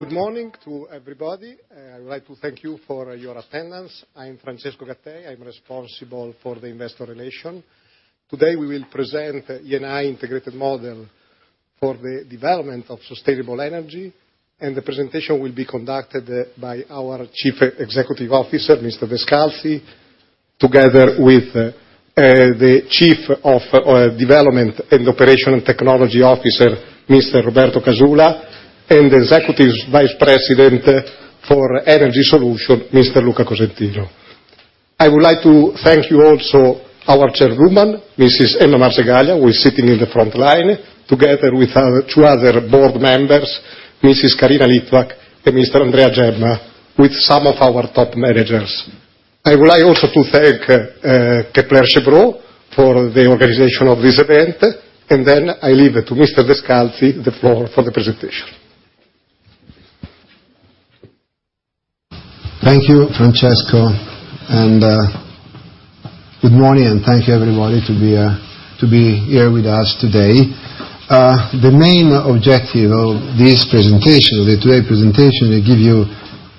Good morning to everybody. I would like to thank you for your attendance. I'm Francesco Gattei, I'm responsible for Investor Relations. Today, we will present Eni's integrated model for the development of sustainable energy. The presentation will be conducted by our Chief Executive Officer, Mr. Descalzi, together with the Chief Development, Operations & Technology Officer, Mr. Roberto Casula, and Executive Vice President for Energy Solutions, Mr. Luca Cosentino. I would like to thank you also our Chairwoman, Mrs. Emma Marcegaglia, who is sitting in the front line, together with two other board members, Mrs. Karina Litvack and Mr. Andrea Gemma, with some of our top managers. I would like also to thank Kepler Cheuvreux for the organization of this event. I leave it to Mr. Descalzi, the floor for the presentation. Thank you, Francesco. Good morning, and thank you, everybody, to be here with us today. The main objective of this presentation, the today presentation, will give you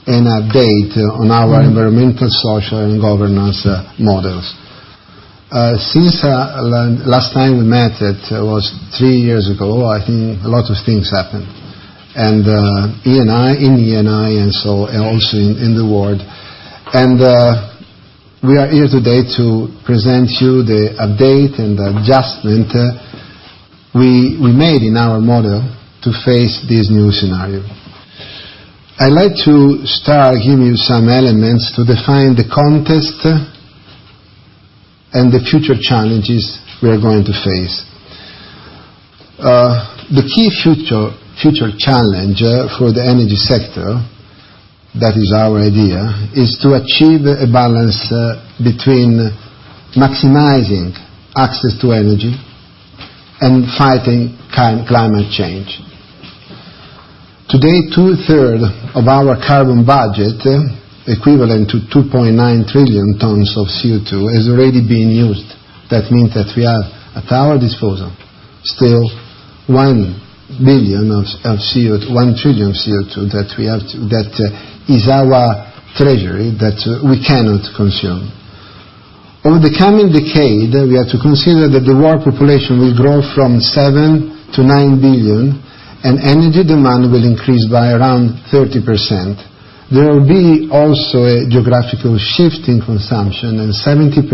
an update on our Environmental, Social, and Governance models. Since last time we met, it was three years ago, I think a lot of things happened. In Eni and also in the world. We are here today to present you the update and adjustment we made in our model to face this new scenario. I'd like to start giving you some elements to define the context and the future challenges we are going to face. The key future challenge for the energy sector, that is our idea, is to achieve a balance between maximizing access to energy and fighting climate change. Today, two-thirds of our carbon budget, equivalent to 2.9 trillion tons of CO2, has already been used. That means that we have at our disposal still one trillion of CO2 that is our treasury that we cannot consume. Over the coming decade, we have to consider that the world population will grow from seven to nine billion. Energy demand will increase by around 30%. There will be also a geographical shift in consumption. 70%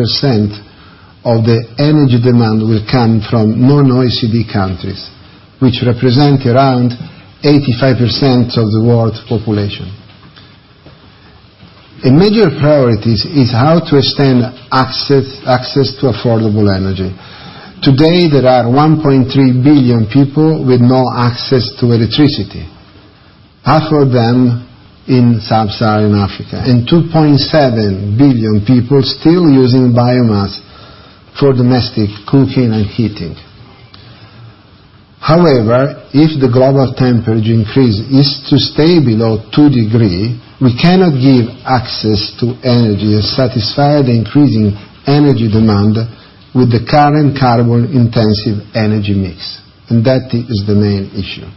of the energy demand will come from non-OECD countries, which represent around 85% of the world's population. A major priority is how to extend access to affordable energy. Today, there are 1.3 billion people with no access to electricity, half of them in sub-Saharan Africa. 2.7 billion people still using biomass for domestic cooking and heating. However, if the global temperature increase is to stay below 2 degrees, we cannot give access to energy or satisfy the increasing energy demand with the current carbon-intensive energy mix. That is the main issue.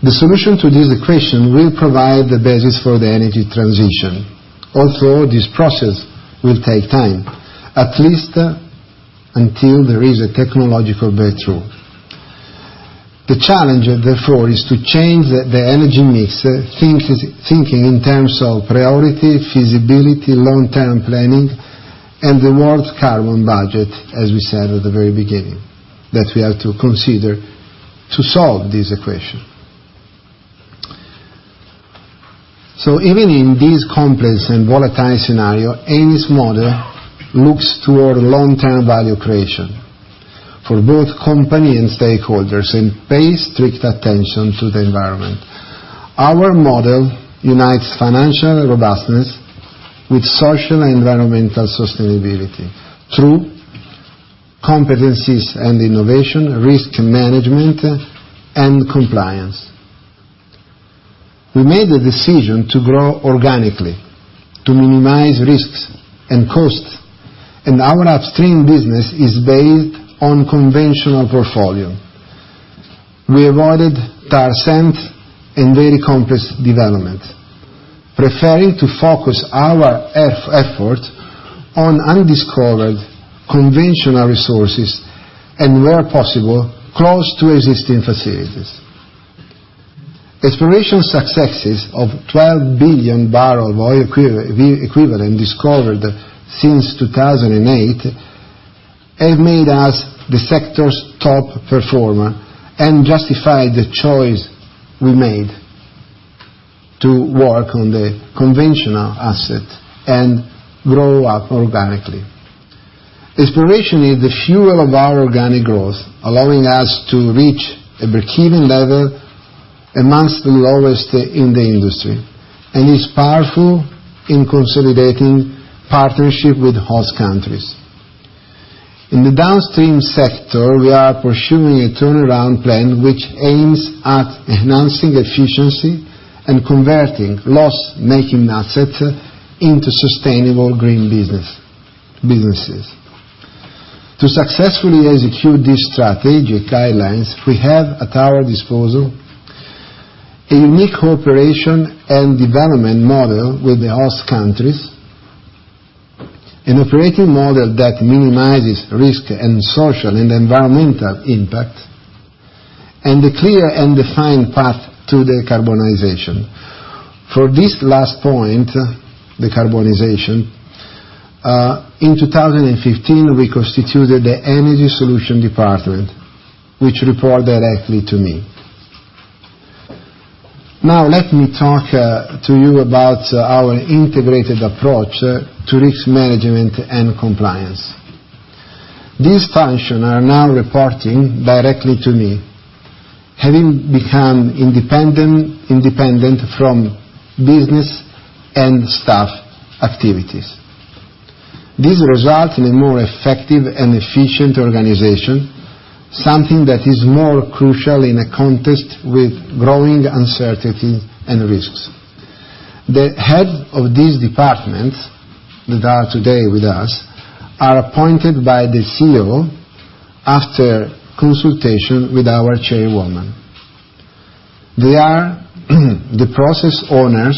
The solution to this equation will provide the basis for the energy transition. Also, this process will take time, at least until there is a technological breakthrough. The challenge, therefore, is to change the energy mix, thinking in terms of priority, feasibility, long-term planning, and the world's carbon budget, as we said at the very beginning, that we have to consider to solve this equation. Even in this complex and volatile scenario, Eni's model looks toward long-term value creation for both company and stakeholders. Pay strict attention to the environment. Our model unites financial robustness with social and environmental sustainability through competencies and innovation, risk management, and compliance. We made the decision to grow organically, to minimize risks and costs, and our upstream business is based on conventional portfolio. We avoided tar sand and very complex development, preferring to focus our effort on undiscovered conventional resources and, where possible, close to existing facilities. Exploration successes of 12 billion barrel oil equivalent discovered since 2008, have made us the sector's top performer and justify the choice we made to work on the conventional asset and grow up organically. Exploration is the fuel of our organic growth, allowing us to reach a breakeven level amongst the lowest in the industry, and is powerful in consolidating partnership with host countries. In the downstream sector, we are pursuing a turnaround plan which aims at enhancing efficiency and converting loss-making assets into sustainable green businesses. To successfully execute these strategic guidelines, we have at our disposal a unique cooperation and development model with the host countries, an operating model that minimizes risk and social and environmental impact, and a clear and defined path to decarbonization. For this last point, decarbonization, in 2015, we constituted the Energy Solutions Department, which report directly to me. Now, let me talk to you about our integrated approach to risk management and compliance. These functions are now reporting directly to me, having become independent from business and staff activities. This results in a more effective and efficient organization, something that is more crucial in a context with growing uncertainty and risks. The head of these departments, that are today with us, are appointed by the CEO after consultation with our Chairwoman. They are the process owners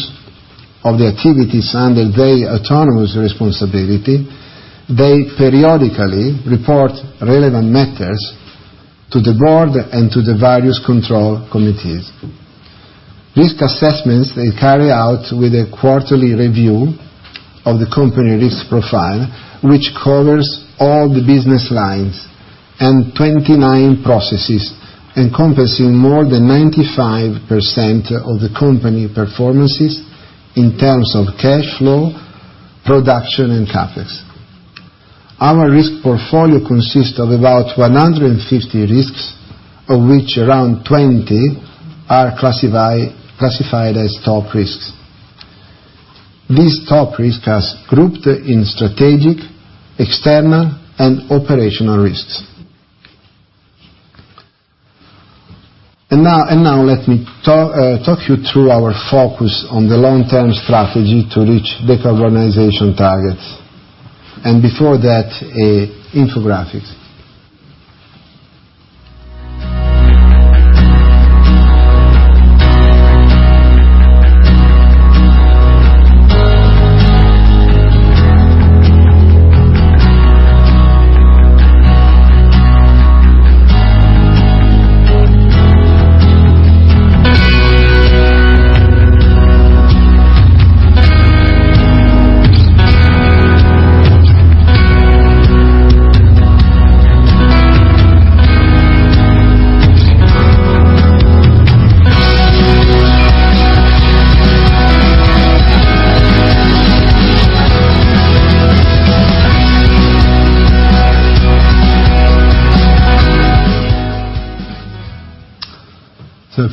of the activities under their autonomous responsibility. They periodically report relevant matters to the Board and to the various control committees. Risk assessments they carry out with a quarterly review of the company risk profile, which covers all the business lines and 29 processes, encompassing more than 95% of the company performances in terms of cash flow, production, and CapEx. Our risk portfolio consists of about 150 risks, of which around 20 are classified as top risks. These top risks are grouped in strategic, external, and operational risks. Now, let me talk you through our focus on the long-term strategy to reach decarbonization targets. Before that, infographics.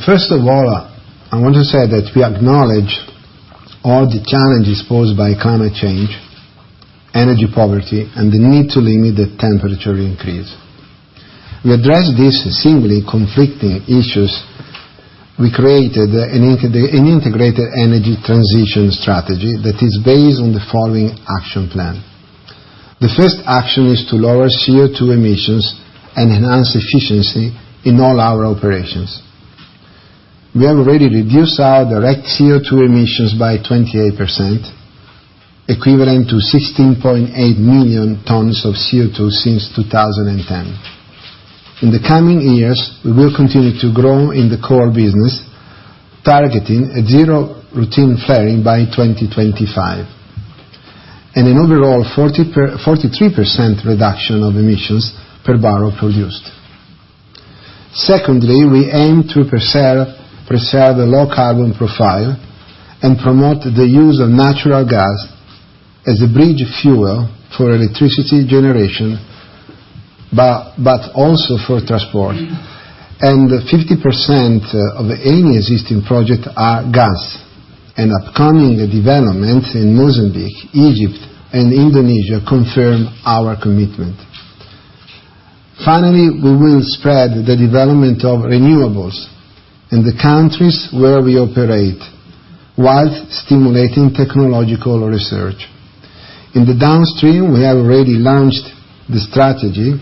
First of all, I want to say that we acknowledge all the challenges posed by climate change, energy poverty, and the need to limit the temperature increase. We address these seemingly conflicting issues. We created an integrated energy transition strategy that is based on the following action plan. The first action is to lower CO2 emissions and enhance efficiency in all our operations. We have already reduced our direct CO2 emissions by 28%, equivalent to 16.8 million tons of CO2 since 2010. In the coming years, we will continue to grow in the core business, targeting zero routine flaring by 2025, and an overall 43% reduction of emissions per barrel produced. Secondly, we aim to preserve a low carbon profile and promote the use of natural gas as a bridge fuel for electricity generation, but also for transport. 50% of Eni existing project are gas, and upcoming developments in Mozambique, Egypt, and Indonesia confirm our commitment. Finally, we will spread the development of renewables in the countries where we operate, while stimulating technological research. In the downstream, we have already launched this strategy,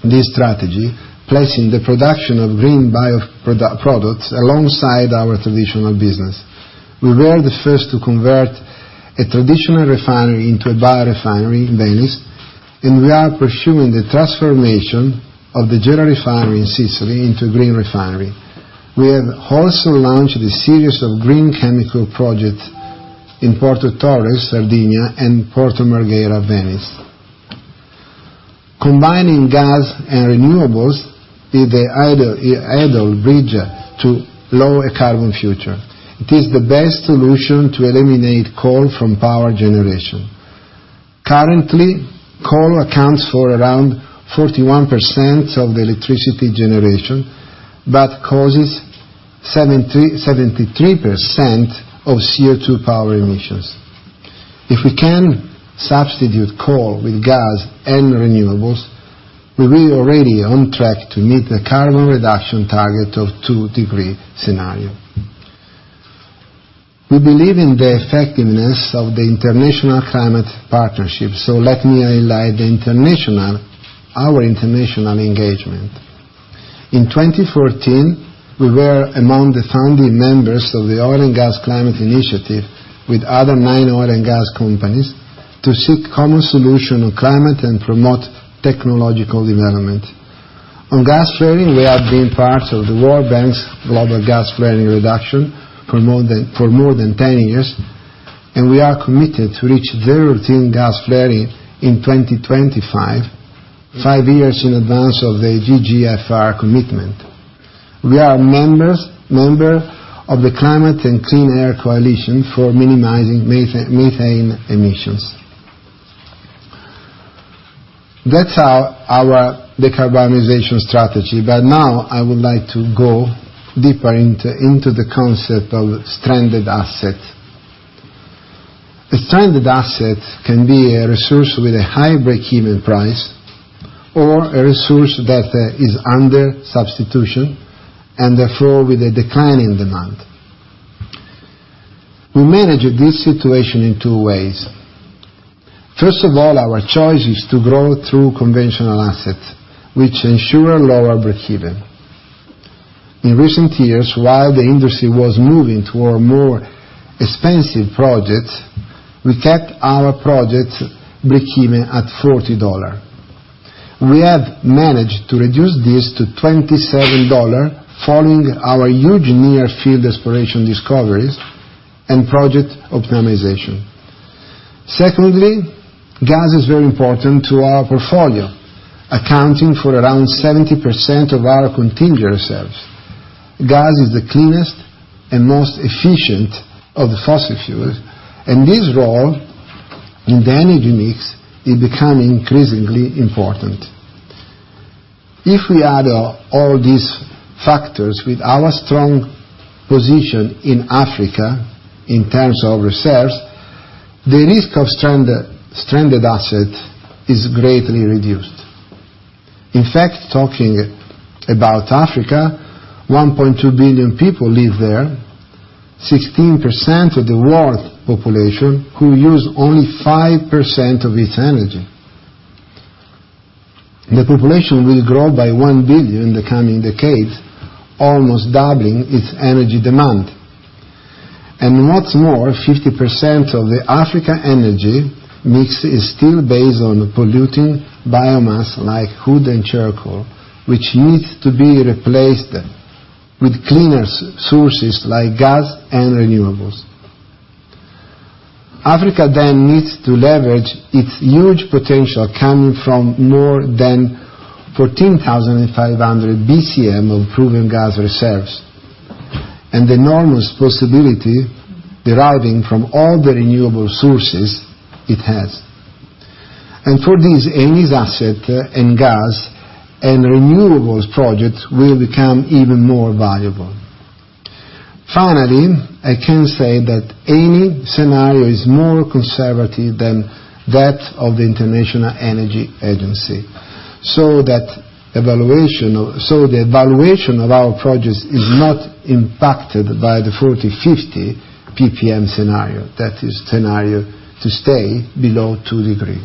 placing the production of green bio-products alongside our traditional business. We were the first to convert a traditional refinery into a biorefinery in Venice, and we are pursuing the transformation of the Gela refinery in Sicily into a green refinery. We have also launched a series of green chemical projects in Porto Torres, Sardinia, and Porto Marghera, Venice. Combining gas and renewables is the ideal bridge to a lower carbon future. It is the best solution to eliminate coal from power generation. Currently, coal accounts for around 41% of the electricity generation, but causes 73% of CO2 power emissions. If we can substitute coal with gas and renewables, we will be already on track to meet the carbon reduction target of 2-degree scenario. We believe in the effectiveness of the international climate partnership. Let me highlight our international engagement. In 2014, we were among the founding members of the Oil and Gas Climate Initiative with other nine oil and gas companies to seek common solution on climate and promote technological development. On gas flaring, we have been part of the World Bank's Global Gas Flaring Reduction for more than 10 years, and we are committed to reach zero routine gas flaring in 2025, five years in advance of the GGFR commitment. We are member of the Climate and Clean Air Coalition for minimizing methane emissions. That's our decarbonization strategy. Now I would like to go deeper into the concept of stranded asset. A stranded asset can be a resource with a high breakeven price or a resource that is under substitution, and therefore with a decline in demand. We manage this situation in two ways. First of all, our choice is to grow through conventional assets, which ensure lower breakeven. In recent years, while the industry was moving toward more expensive projects, we kept our projects' breakeven at $40. We have managed to reduce this to $27 following our huge near-field exploration discoveries and project optimization. Secondly, gas is very important to our portfolio, accounting for around 70% of our contingent reserves. Gas is the cleanest and most efficient of the fossil fuels, and this role in the energy mix is becoming increasingly important. If we add all these factors with our strong position in Africa in terms of reserves, the risk of stranded asset is greatly reduced. In fact, talking about Africa, 1.2 billion people live there, 16% of the world population who use only 5% of its energy. The population will grow by 1 billion in the coming decades, almost doubling its energy demand. What's more, 50% of the African energy mix is still based on polluting biomass like wood and charcoal, which needs to be replaced with cleaner sources like gas and renewables. Africa needs to leverage its huge potential coming from more than 14,500 BCM of proven gas reserves, and the enormous possibility deriving from all the renewable sources it has. For this, Eni's asset in gas and renewables projects will become even more valuable. Finally, I can say that any scenario is more conservative than that of the International Energy Agency, the valuation of our projects is not impacted by the 450 ppm scenario. That is scenario to stay below 2-degree.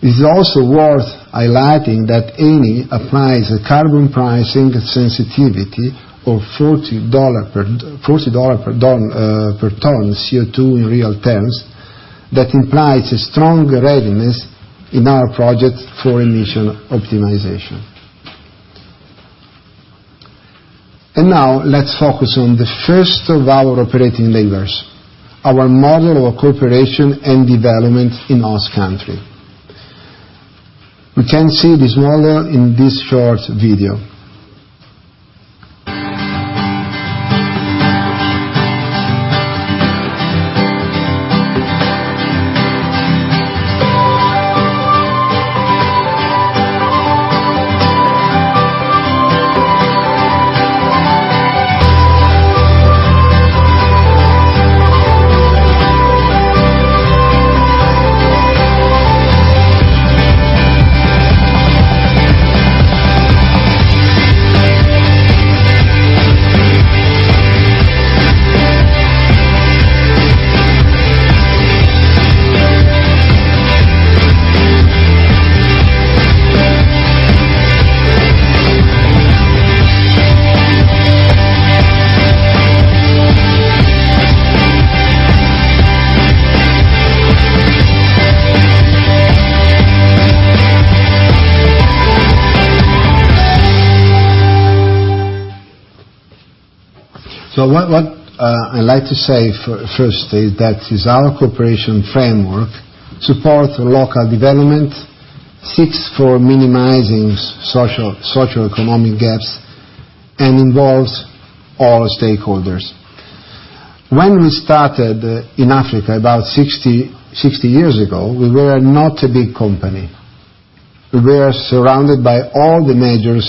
It is also worth highlighting that Eni applies a carbon pricing sensitivity of $40 per ton of CO2 in real terms, that implies a strong readiness in our project for emission optimization. Now let's focus on the first of our operating levers, our model of cooperation and development in host country. We can see this model in this short video. What I'd like to say firstly, that is our cooperation framework supports local development, seeks for minimizing socioeconomic gaps, and involves all stakeholders. When we started in Africa about 60 years ago, we were not a big company. We were surrounded by all the major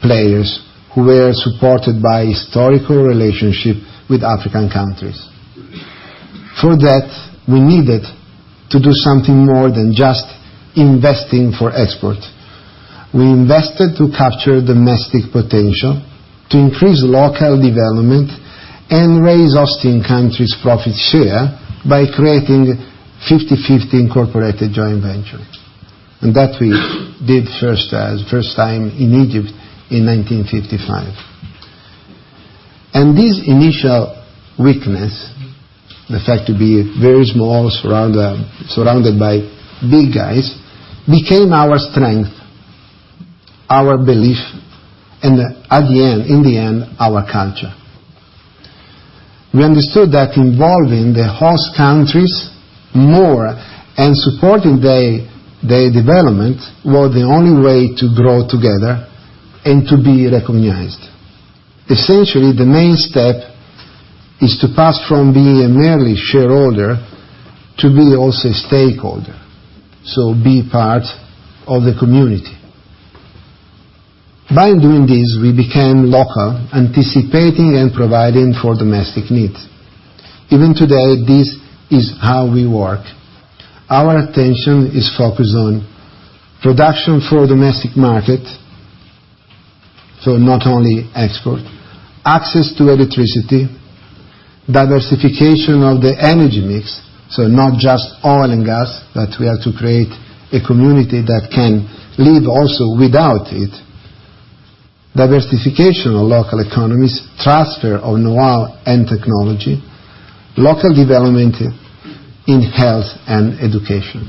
players who were supported by historical relationship with African countries. For that, we needed to do something more than just investing for export. We invested to capture domestic potential, to increase local development, and raise hosting countries' profit share by creating 50/50 incorporated joint ventures. That we did first time in Egypt in 1955. This initial weakness, the fact to be very small, surrounded by big guys, became our strength, our belief, and in the end, our culture. We understood that involving the host countries more and supporting their development was the only way to grow together and to be recognized. Essentially, the main step is to pass from being merely a shareholder to being also a stakeholder, so be part of the community. By doing this, we became local, anticipating and providing for domestic needs. Even today, this is how we work. Our attention is focused on production for domestic market, not only export, access to electricity, diversification of the energy mix, not just oil and gas, that we have to create a community that can live also without it. Diversification of local economies, transfer of know-how and technology, local development in health and education.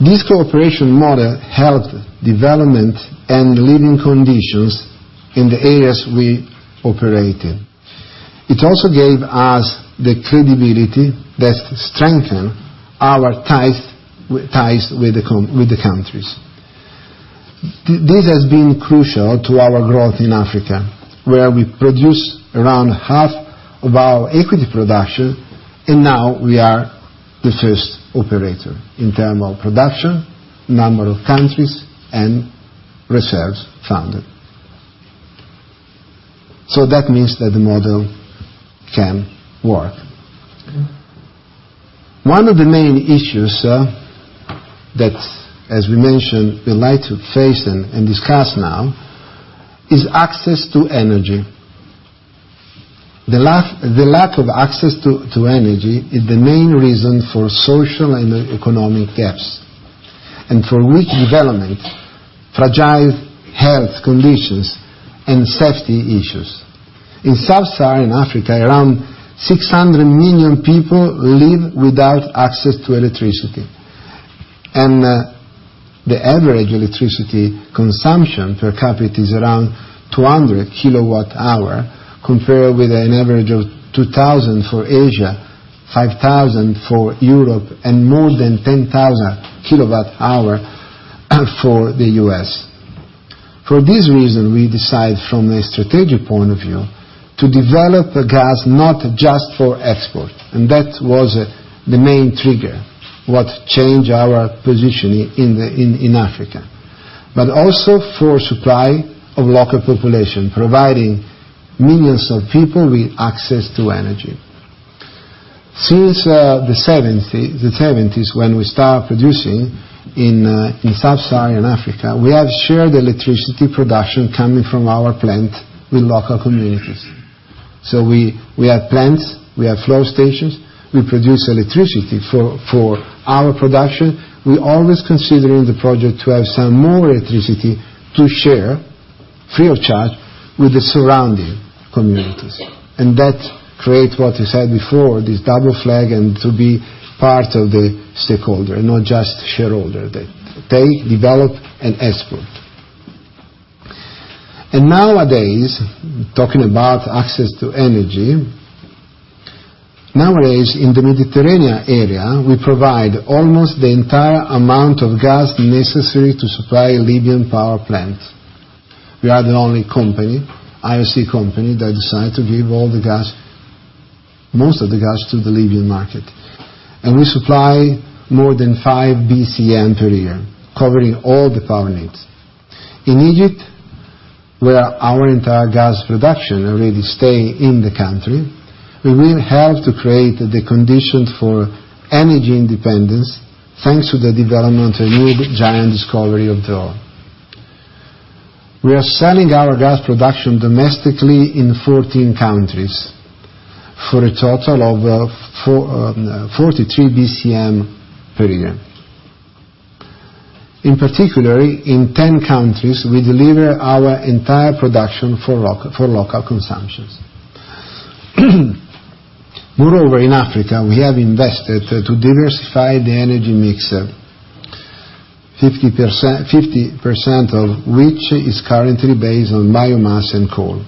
This cooperation model helped development and living conditions in the areas we operated. It also gave us the credibility that strengthened our ties with the countries. This has been crucial to our growth in Africa, where we produce around half of our equity production, and now we are the first operator in terms of production, number of countries, and reserves found. That means that the model can work. One of the main issues that, as we mentioned, we'd like to face and discuss now is access to energy. The lack of access to energy is the main reason for social and economic gaps and for weak development, fragile health conditions, and safety issues. In Sub-Saharan Africa, around 600 million people live without access to electricity, and the average electricity consumption per capita is around 200 kilowatt hour, compared with an average of 2,000 for Asia, 5,000 for Europe, and more than 10,000 kilowatt hour for the U.S. For this reason, we decide from a strategic point of view to develop gas not just for export, that was the main trigger, what changed our position in Africa, but also for supply of local population, providing millions of people with access to energy. Since the '70s, when we start producing in Sub-Saharan Africa, we have shared electricity production coming from our plant with local communities. We have plants, we have flow stations, we produce electricity for our production. We're always considering the project to have some more electricity to share free of charge with the surrounding communities. That creates what we said before, this double flag, to be part of the stakeholder, not just shareholder that take, develop, and export. Talking about access to energy, nowadays in the Mediterranean area, we provide almost the entire amount of gas necessary to supply Libyan power plant. We are the only company, IOC company, that decided to give most of the gas to the Libyan market, and we supply more than 5 BCM per year, covering all the power needs. In Egypt, where our entire gas production already stay in the country, we will help to create the conditions for energy independence thanks to the development of new giant discovery. [inaudible] We are selling our gas production domestically in 14 countries for a total of 43 BCM per year. In particular, in 10 countries, we deliver our entire production for local consumptions. Moreover, in Africa, we have invested to diversify the energy mix, 50% of which is currently based on biomass and coal.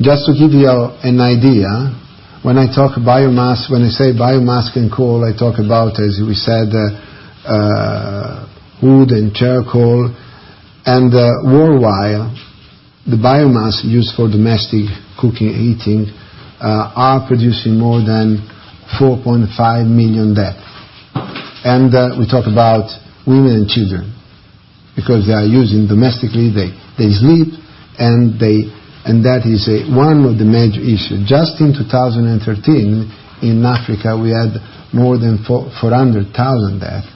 Just to give you an idea, when I say biomass and coal, I talk about, as we said, wood and charcoal. Worldwide, the biomass used for domestic cooking and heating are producing more than 4.5 million deaths. We talk about women and children, because they are using domestically, they sleep, and that is one of the major issues. Just in 2013, in Africa, we had more than 400,000 deaths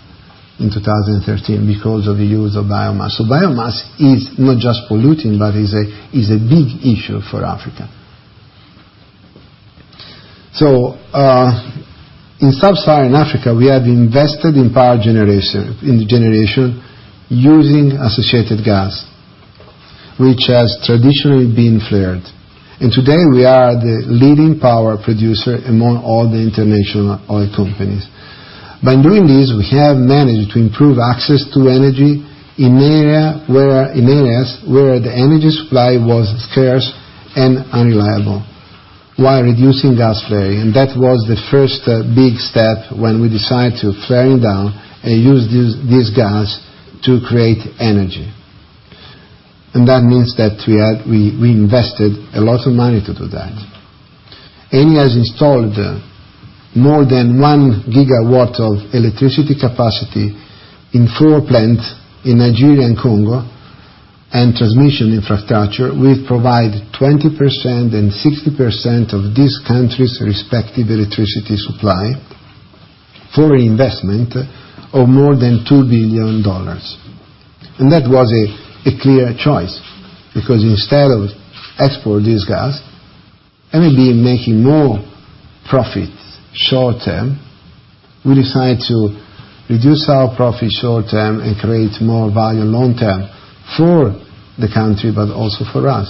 in 2013 because of the use of biomass. Biomass is not just polluting, but is a big issue for Africa. In sub-Saharan Africa, we have invested in power generation using associated gas, which has traditionally been flared. Today we are the leading power producer among all the international oil companies. By doing this, we have managed to improve access to energy in areas where the energy supply was scarce and unreliable while reducing gas flaring. That was the first big step when we decided to flaring down and use this gas to create energy. That means that we invested a lot of money to do that. Eni has installed more than one gigawatt of electricity capacity in four plants in Nigeria and Congo and transmission infrastructure, we provide 20% and 60% of these countries respective electricity supply for investment of more than EUR 2 billion. That was a clear choice because instead of export this gas, Eni be making more profits short term, we decide to reduce our profit short term and create more value long term for the country, but also for us.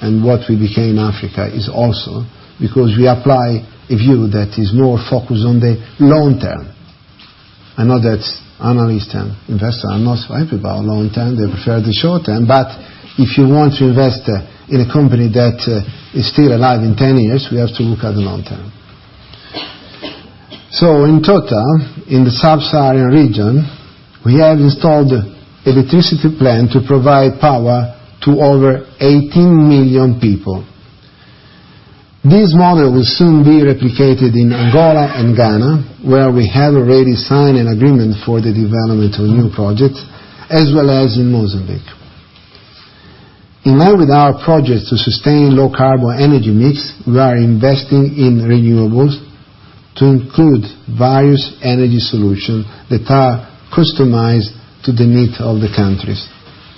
What we became Africa is also because we apply a view that is more focused on the long term. I know that analysts and investors are not happy about long term. They prefer the short term. If you want to invest in a company that is still alive in 10 years, we have to look at the long term. In total, in the sub-Saharan region, we have installed electricity plant to provide power to over 18 million people. This model will soon be replicated in Angola and Ghana, where we have already signed an agreement for the development of new projects, as well as in Mozambique. In line with our projects to sustain low-carbon energy mix, we are investing in renewables to include various energy solutions that are customized to the needs of the countries,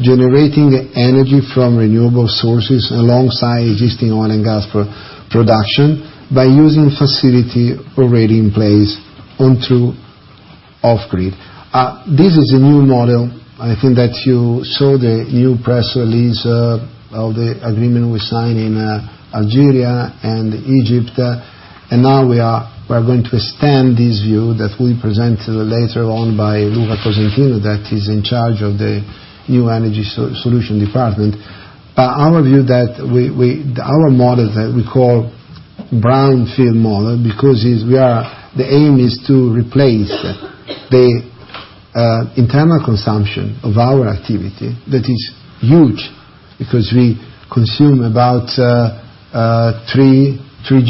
generating energy from renewable sources alongside existing oil and gas production by using facility already in place onto off-grid. This is a new model. I think that you saw the new press release of the agreement we signed in Algeria and Egypt. Now we are going to extend this view that will be presented later on by Luca Cosentino, that is in charge of the new Energy Solution Department. Our model that we call brownfield model because the aim is to replace the internal consumption of our activity that is huge because we consume about 3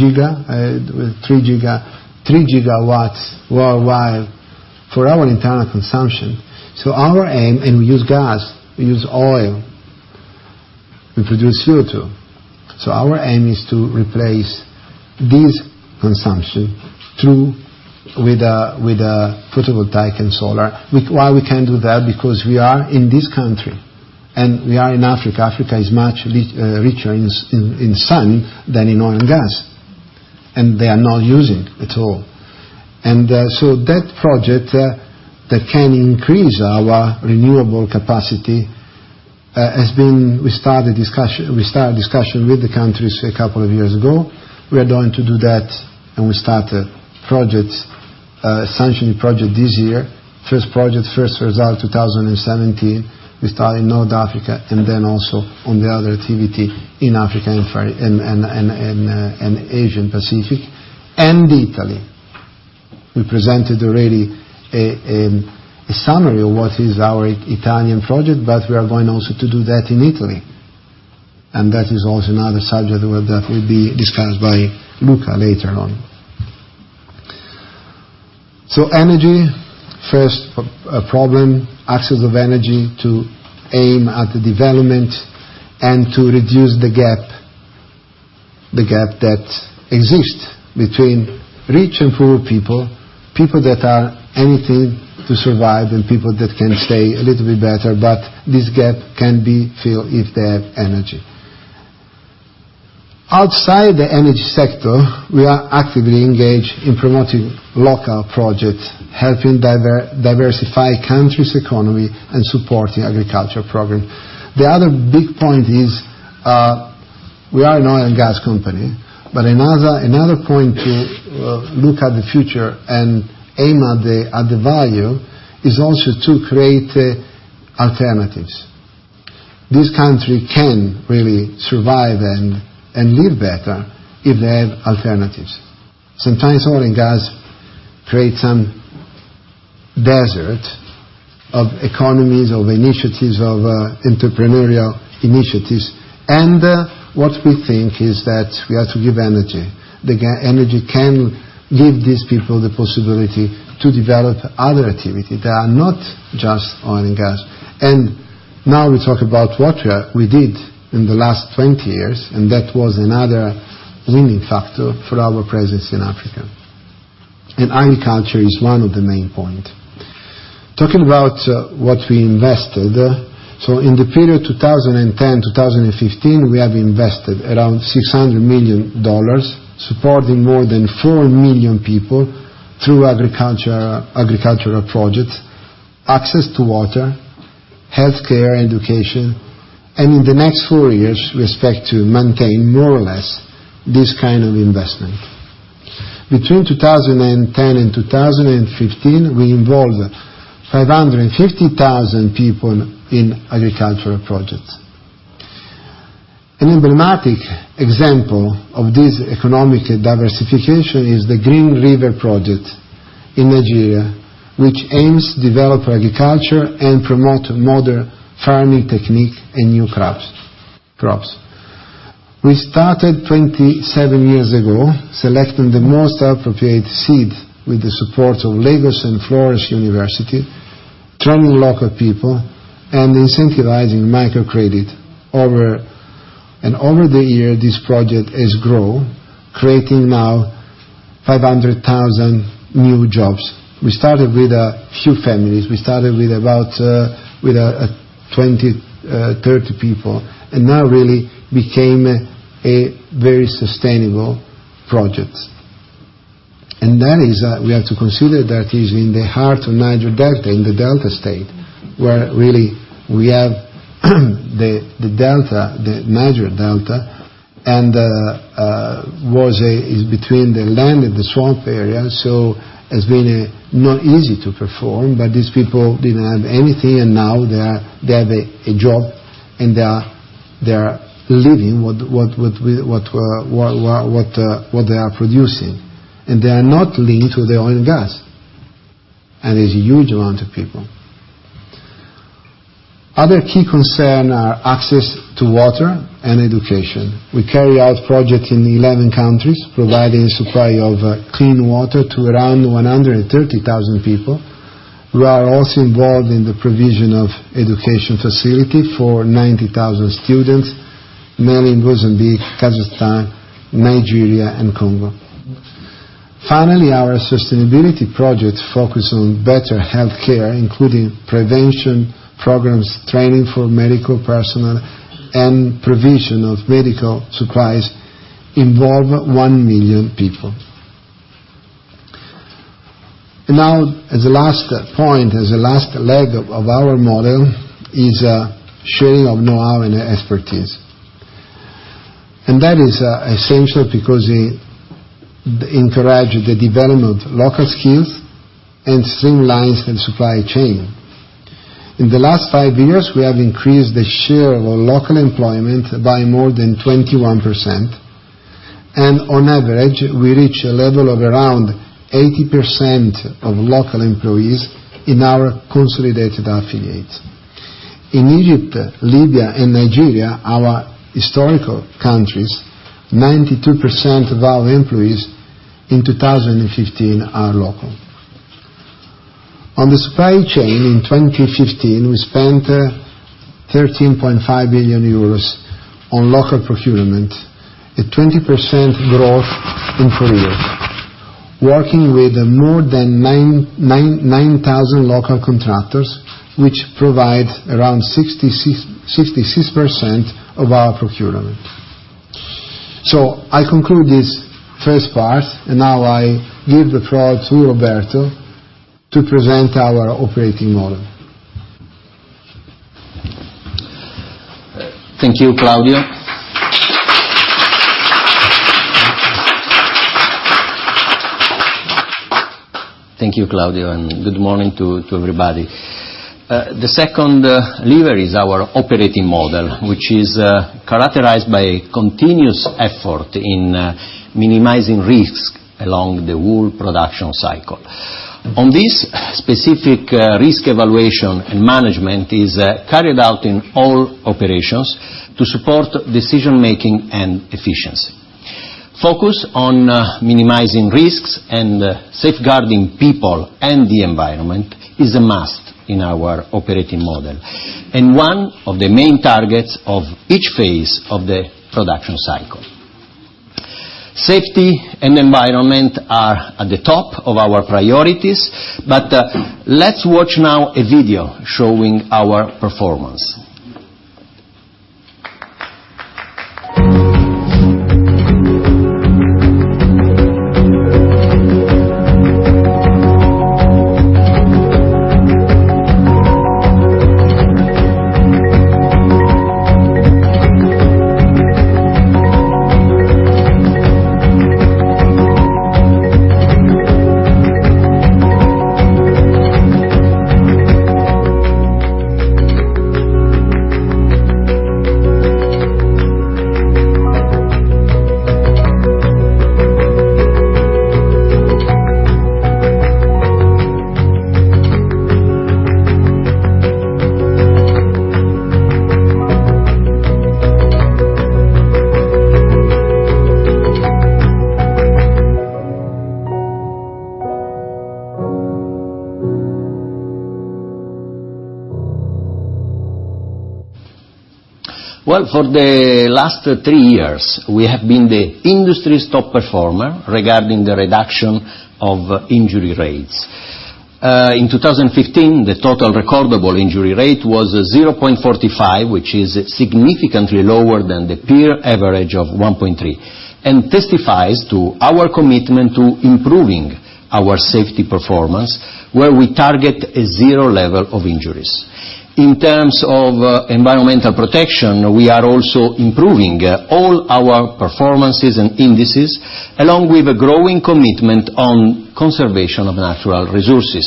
gigawatts worldwide for our internal consumption. Our aim, and we use gas, we use oil, we produce CO2. Our aim is to replace this consumption with photovoltaic and solar. Why we can do that? Because we are in this country, and we are in Africa. Africa is much richer in sun than in oil and gas, and they are not using at all. That project that can increase our renewable capacity, we started discussion with the countries a couple of years ago. We are going to do that. We start projects, sanctioned project this year. First project, first result 2017. We start in North Africa. Also on the other activity in Africa, Asia Pacific, and Italy. We presented already a summary of what is our Italian project. We are going also to do that in Italy. That is also another subject that will be discussed by Luca later on. Energy, first problem, access of energy to aim at the development and to reduce the gap that exists between rich and poor people that are anything to survive and people that can stay a little bit better. This gap can be filled if they have energy. Outside the energy sector, we are actively engaged in promoting local projects, helping diversify countries' economy, and supporting agriculture program. The other big point is, we are an oil and gas company. Another point to look at the future and aim at the value is also to create alternatives. This country can really survive and live better if they have alternatives. Sometimes oil and gas create some desert of economies, of initiatives, of entrepreneurial initiatives. What we think is that we have to give energy. The energy can give these people the possibility to develop other activity that are not just oil and gas. Now we talk about what we did in the last 20 years. That was another winning factor for our presence in Africa. Agriculture is one of the main point. Talking about what we invested. In the period 2010-2015, we have invested around EUR 600 million, supporting more than 4 million people through agricultural projects, access to water, healthcare, education. In the next 4 years, we expect to maintain more or less this kind of investment. Between 2010 and 2015, we involved 550,000 people in agricultural projects. An emblematic example of this economic diversification is the Green River project in Nigeria, which aims to develop agriculture and promote modern farming technique and new crops. We started 27 years ago, selecting the most appropriate seed with the support of Lagos and University of Florence, training local people, and incentivizing microcredit. Over the years, this project has grown, creating now 500,000 new jobs. We started with a few families. We started with about 20, 30 people, and now really became a very sustainable project. We have to consider that is in the heart of Niger Delta, in the Delta State, where really we have the Niger Delta, and is between the land and the swamp area, so it's been not easy to perform, but these people didn't have anything, and now they have a job, and they are living what they are producing. They are not linked to the oil and gas, and it's a huge amount of people. Other key concern are access to water and education. We carry out projects in 11 countries, providing supply of clean water to around 130,000 people. We are also involved in the provision of education facility for 90,000 students, mainly in Mozambique, Kazakhstan, Nigeria, and Congo. Finally, our sustainability projects focus on better healthcare, including prevention programs, training for medical personnel, and provision of medical supplies involve 1 million people. Now, as the last point, as the last leg of our model is sharing of know-how and expertise. That is essential because it encourages the development of local skills and streamlines the supply chain. In the last five years, we have increased the share of local employment by more than 21%, and on average, we reach a level of around 80% of local employees in our consolidated affiliates. In Egypt, Libya, and Nigeria, our historical countries, 92% of our employees in 2015 are local. On the supply chain in 2015, we spent €13.5 billion on local procurement, a 20% growth in four years, working with more than 9,000 local contractors, which provide around 66% of our procurement. I conclude this first part, and now I give the floor to Roberto to present our operating model. Thank you, Claudio. Thank you, Claudio, and good morning to everybody. The second lever is our operating model, which is characterized by continuous effort in minimizing risks along the whole production cycle. On this specific risk evaluation and management is carried out in all operations to support decision-making and efficiency. Focus on minimizing risks and safeguarding people and the environment is a must in our operating model, and one of the main targets of each phase of the production cycle. Safety and environment are at the top of our priorities, but let's watch now a video showing our performance. For the last three years, we have been the industry's top performer regarding the reduction of injury rates. In 2015, the total recordable injury rate was 0.45, which is significantly lower than the peer average of 1.3, and testifies to our commitment to improving our safety performance where we target a level 0 of injuries. In terms of environmental protection, we are also improving all our performances and indices along with a growing commitment on conservation of natural resources.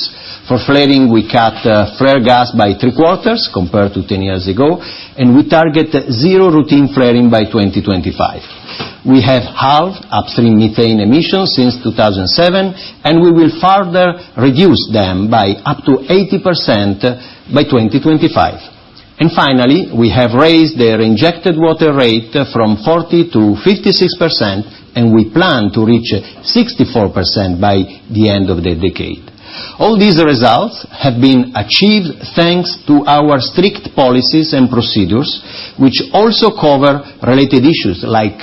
For flaring, we cut flare gas by three-quarters compared to 10 years ago, and we target zero routine flaring by 2025. We have halved upstream methane emissions since 2007, and we will further reduce them by up to 80% by 2025. Finally, we have raised the reinjected water rate from 40% to 56%, and we plan to reach 64% by the end of the decade. All these results have been achieved thanks to our strict policies and procedures, which also cover related issues like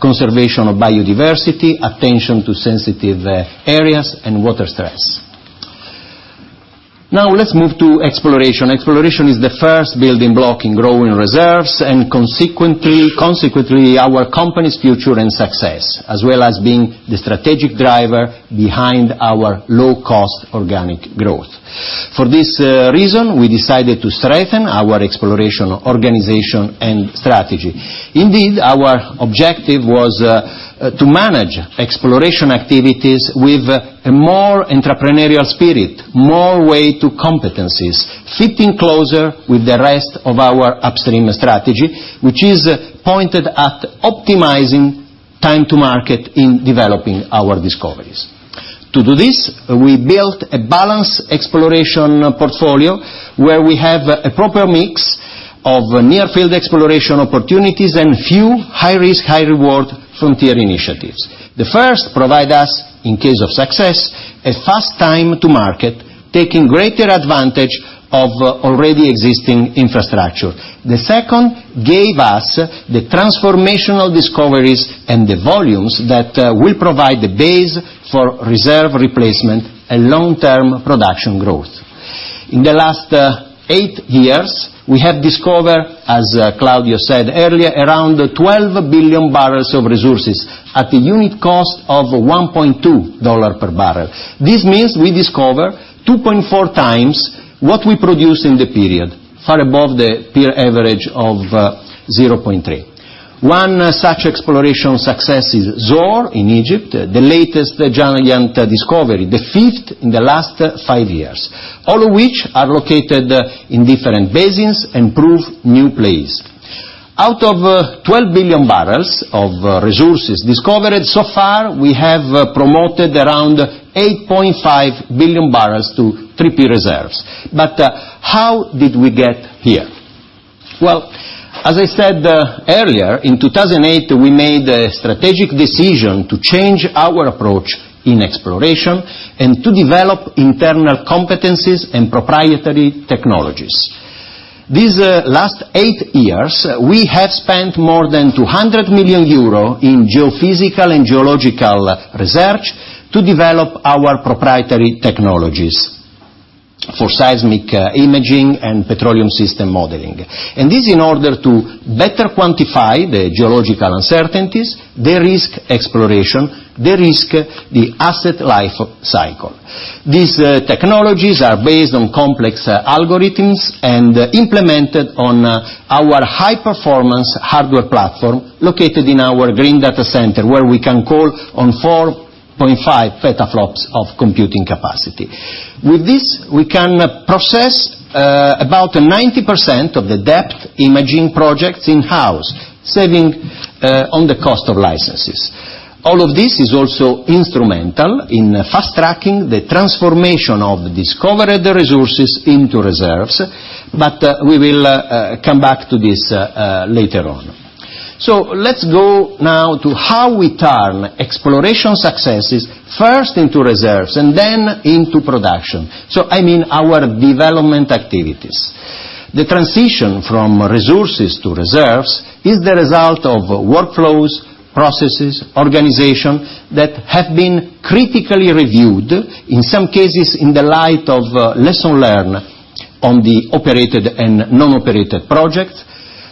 conservation of biodiversity, attention to sensitive areas, and water stress. Let's move to exploration. Exploration is the first building block in growing reserves, and consequently our company's future and success, as well as being the strategic driver behind our low-cost organic growth. For this reason, we decided to strengthen our exploration organization and strategy. Indeed, our objective was to manage exploration activities with a more entrepreneurial spirit, more weight to competencies, fitting closer with the rest of our upstream strategy, which is pointed at optimizing time to market in developing our discoveries. To do this, we built a balanced exploration portfolio where we have a proper mix of near-field exploration opportunities and few high-risk, high-reward frontier initiatives. The first provide us, in case of success, a fast time to market, taking greater advantage of already existing infrastructure. The second gave us the transformational discoveries and the volumes that will provide the base for reserve replacement and long-term production growth. In the last eight years, we have discovered, as Claudio said earlier, around 12 billion barrels of resources at a unit cost of $1.2 per barrel. This means we discover 2.4 times what we produce in the period, far above the peer average of 0.3. One such exploration success is Zohr in Egypt, the latest giant discovery, the fifth in the last five years, all of which are located in different basins and prove new plays. Out of 12 billion barrels of resources discovered so far, we have promoted around 8.5 billion barrels to 3P reserves. How did we get here? Well, as I said earlier, in 2008, we made a strategic decision to change our approach in exploration and to develop internal competencies and proprietary technologies. These last eight years, we have spent more than 200 million euro in geophysical and geological research to develop our proprietary technologies for seismic imaging and petroleum system modeling. This in order to better quantify the geological uncertainties, de-risk exploration, de-risk the asset life cycle. These technologies are based on complex algorithms and implemented on our high-performance hardware platform located in our green data center where we can call on 4.5 petaFLOPS of computing capacity. With this, we can process about 90% of the depth imaging projects in-house, saving on the cost of licenses. All of this is also instrumental in fast-tracking the transformation of discovered resources into reserves, we will come back to this later on. Let's go now to how we turn exploration successes first into reserves and then into production. I mean our development activities. The transition from resources to reserves is the result of workflows, processes, organization that have been critically reviewed, in some cases in the light of lesson learned on the operated and non-operated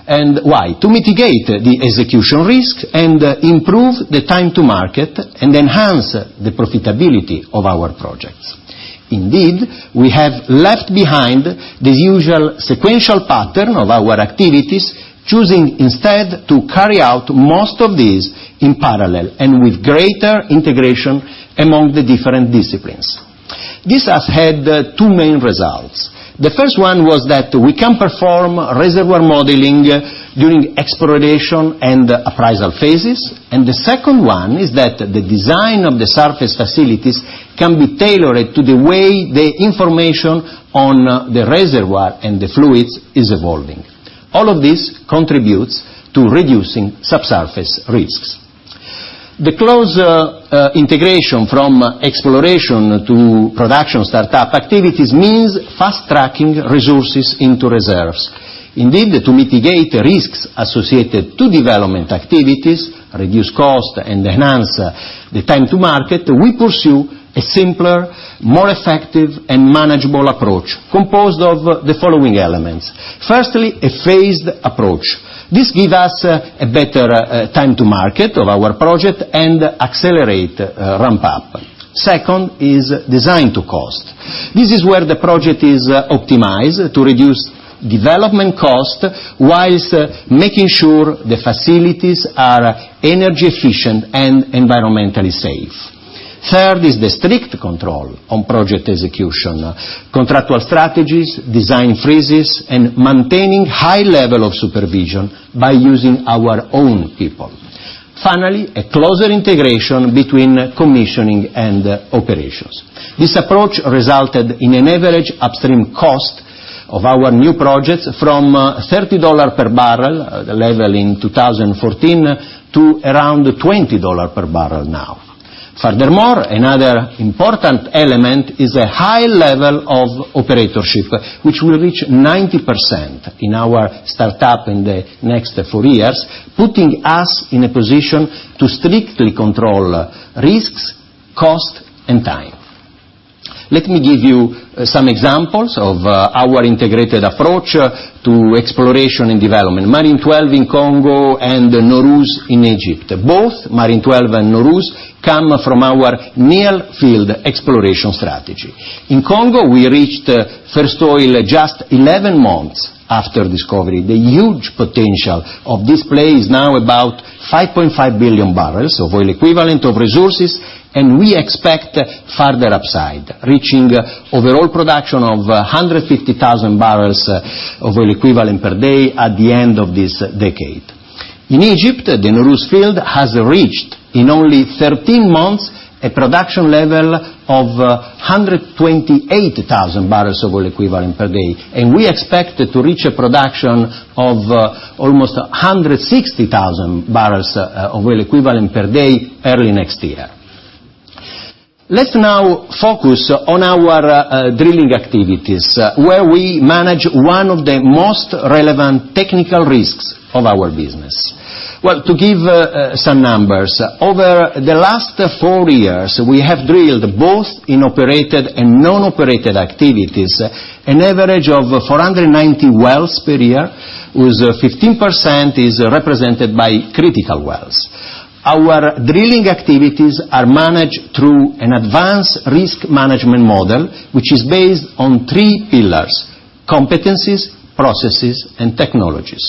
project. Why? To mitigate the execution risk and improve the time to market and enhance the profitability of our projects. Indeed, we have left behind the usual sequential pattern of our activities, choosing instead to carry out most of these in parallel and with greater integration among the different disciplines. This has had two main results. The first one was that we can perform reservoir modeling during exploration and appraisal phases. The second one is that the design of the surface facilities can be tailored to the way the information on the reservoir and the fluids is evolving. All of this contributes to reducing subsurface risks. The close integration from exploration to production startup activities means fast-tracking resources into reserves. Indeed, to mitigate risks associated to development activities, reduce cost, and enhance the time to market, we pursue a simpler, more effective, and manageable approach composed of the following elements. Firstly, a phased approach. This give us a better time to market of our project and accelerate ramp-up. Second is design to cost. This is where the project is optimized to reduce development cost whilst making sure the facilities are energy efficient and environmentally safe. Third is the strict control on project execution, contractual strategies, design freezes, and maintaining high level of supervision by using our own people. Finally, a closer integration between commissioning and operations. This approach resulted in an average upstream cost of our new projects from $30 per barrel, the level in 2014, to around $20 per barrel now. Furthermore, another important element is a high level of operatorship, which will reach 90% in our startup in the next four years, putting us in a position to strictly control risks, cost, and time. Let me give you some examples of our integrated approach to exploration and development. Marine XII in Congo and Nooros in Egypt. Both Marine XII and Nooros come from our near-field exploration strategy. In Congo, we reached first oil just 11 months after discovery. The huge potential of this play is now about 5.5 billion barrels of oil equivalent of resources. We expect further upside, reaching overall production of 150,000 barrels of oil equivalent per day at the end of this decade. In Egypt, the Nooros field has reached in only 13 months a production level of 128,000 barrels of oil equivalent per day. We expect to reach a production of almost 160,000 barrels of oil equivalent per day early next year. Let's now focus on our drilling activities, where we manage one of the most relevant technical risks of our business. Well, to give some numbers, over the last four years, we have drilled both in operated and non-operated activities, an average of 490 wells per year whose 15% is represented by critical wells. Our drilling activities are managed through an advanced risk management model, which is based on three pillars: competencies, processes, and technologies.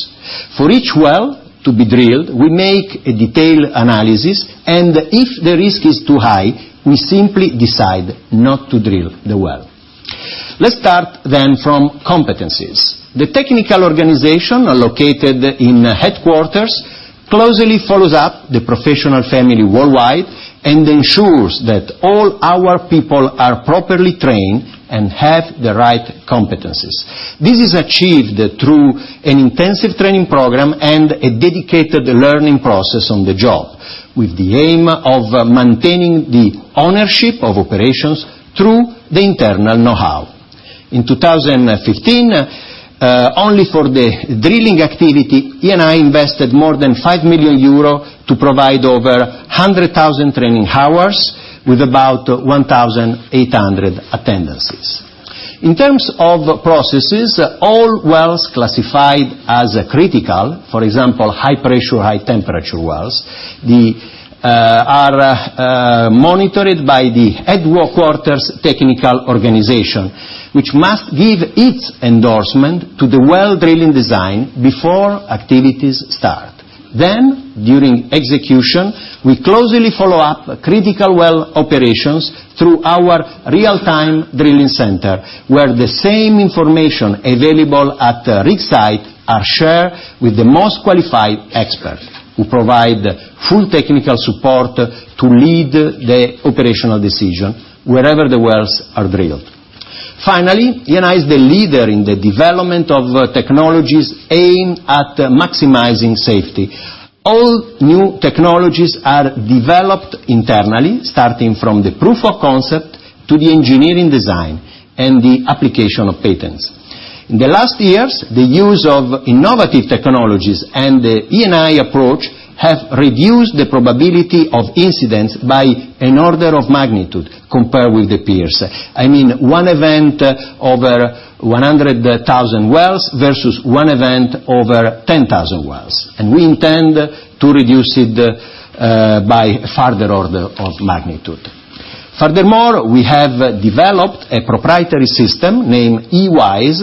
For each well to be drilled, we make a detailed analysis, and if the risk is too high, we simply decide not to drill the well. Let's start from competencies. The technical organization located in headquarters closely follows up the professional family worldwide and ensures that all our people are properly trained and have the right competencies. This is achieved through an intensive training program and a dedicated learning process on the job with the aim of maintaining the ownership of operations through the internal know-how. In 2015, only for the drilling activity, Eni invested more than 5 million euro to provide over 100,000 training hours with about 1,800 attendances. In terms of processes, all wells classified as critical, for example, high pressure, high temperature wells, are monitored by the headquarters' technical organization, which must give its endorsement to the well drilling design before activities start. During execution, we closely follow up critical well operations through our real-time drilling center, where the same information available at rig site are shared with the most qualified expert who provide full technical support to lead the operational decision wherever the wells are drilled. Finally, Eni is the leader in the development of technologies aimed at maximizing safety. All new technologies are developed internally, starting from the proof of concept to the engineering design and the application of patents. In the last years, the use of innovative technologies and the Eni approach have reduced the probability of incidents by an order of magnitude compared with the peers. I mean, one event over 100,000 wells versus one event over 10,000 wells. We intend to reduce it by a further order of magnitude. Furthermore, we have developed a proprietary system named EWISE,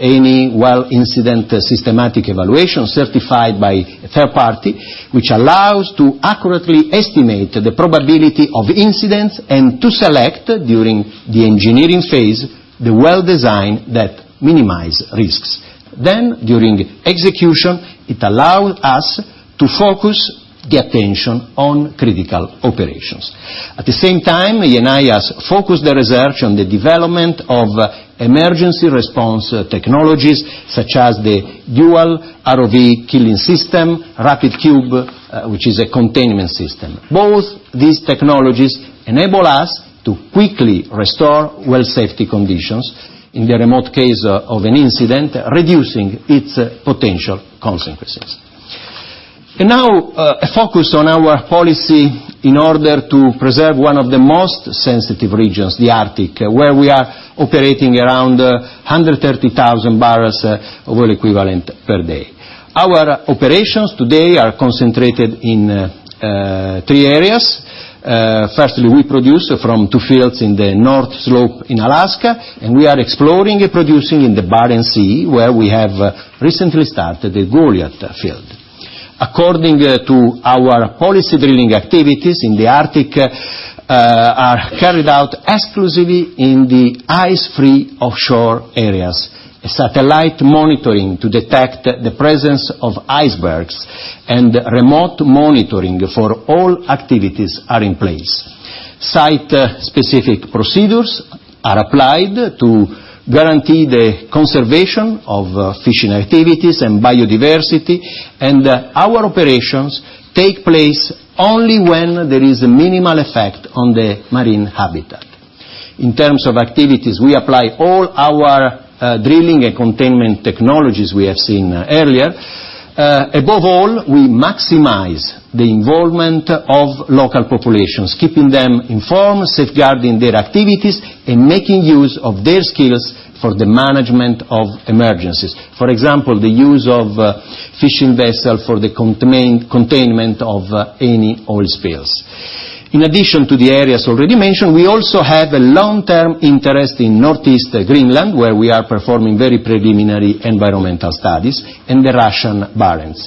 Eni Well Incident Systematic Evaluation, certified by third-party, which allows to accurately estimate the probability of incidents and to select, during the engineering phase, the well design that minimize risks. During execution, it allow us to focus the attention on critical operations. At the same time, Eni has focused the research on the development of emergency response technologies, such as the dual ROV killing system, Rapid CUBE, which is a containment system. Both these technologies enable us to quickly restore well safety conditions in the remote case of an incident, reducing its potential consequences. Now, a focus on our policy in order to preserve one of the most sensitive regions, the Arctic, where we are operating around 130,000 barrels oil equivalent per day. Our operations today are concentrated in three areas. Firstly, we produce from two fields in the North Slope in Alaska. We are exploring and producing in the Barents Sea, where we have recently started the Goliat field. According to our policy, drilling activities in the Arctic are carried out exclusively in the ice-free offshore areas. Satellite monitoring to detect the presence of icebergs, remote monitoring for all activities are in place. Site-specific procedures are applied to guarantee the conservation of fishing activities and biodiversity. Our operations take place only when there is a minimal effect on the marine habitat. In terms of activities, we apply all our drilling and containment technologies we have seen earlier. Above all, we maximize the involvement of local populations, keeping them informed, safeguarding their activities, and making use of their skills for the management of emergencies. For example, the use of fishing vessel for the containment of any oil spills. In addition to the areas already mentioned, we also have a long-term interest in Northeast Greenland, where we are performing very preliminary environmental studies, and the Russian Barents.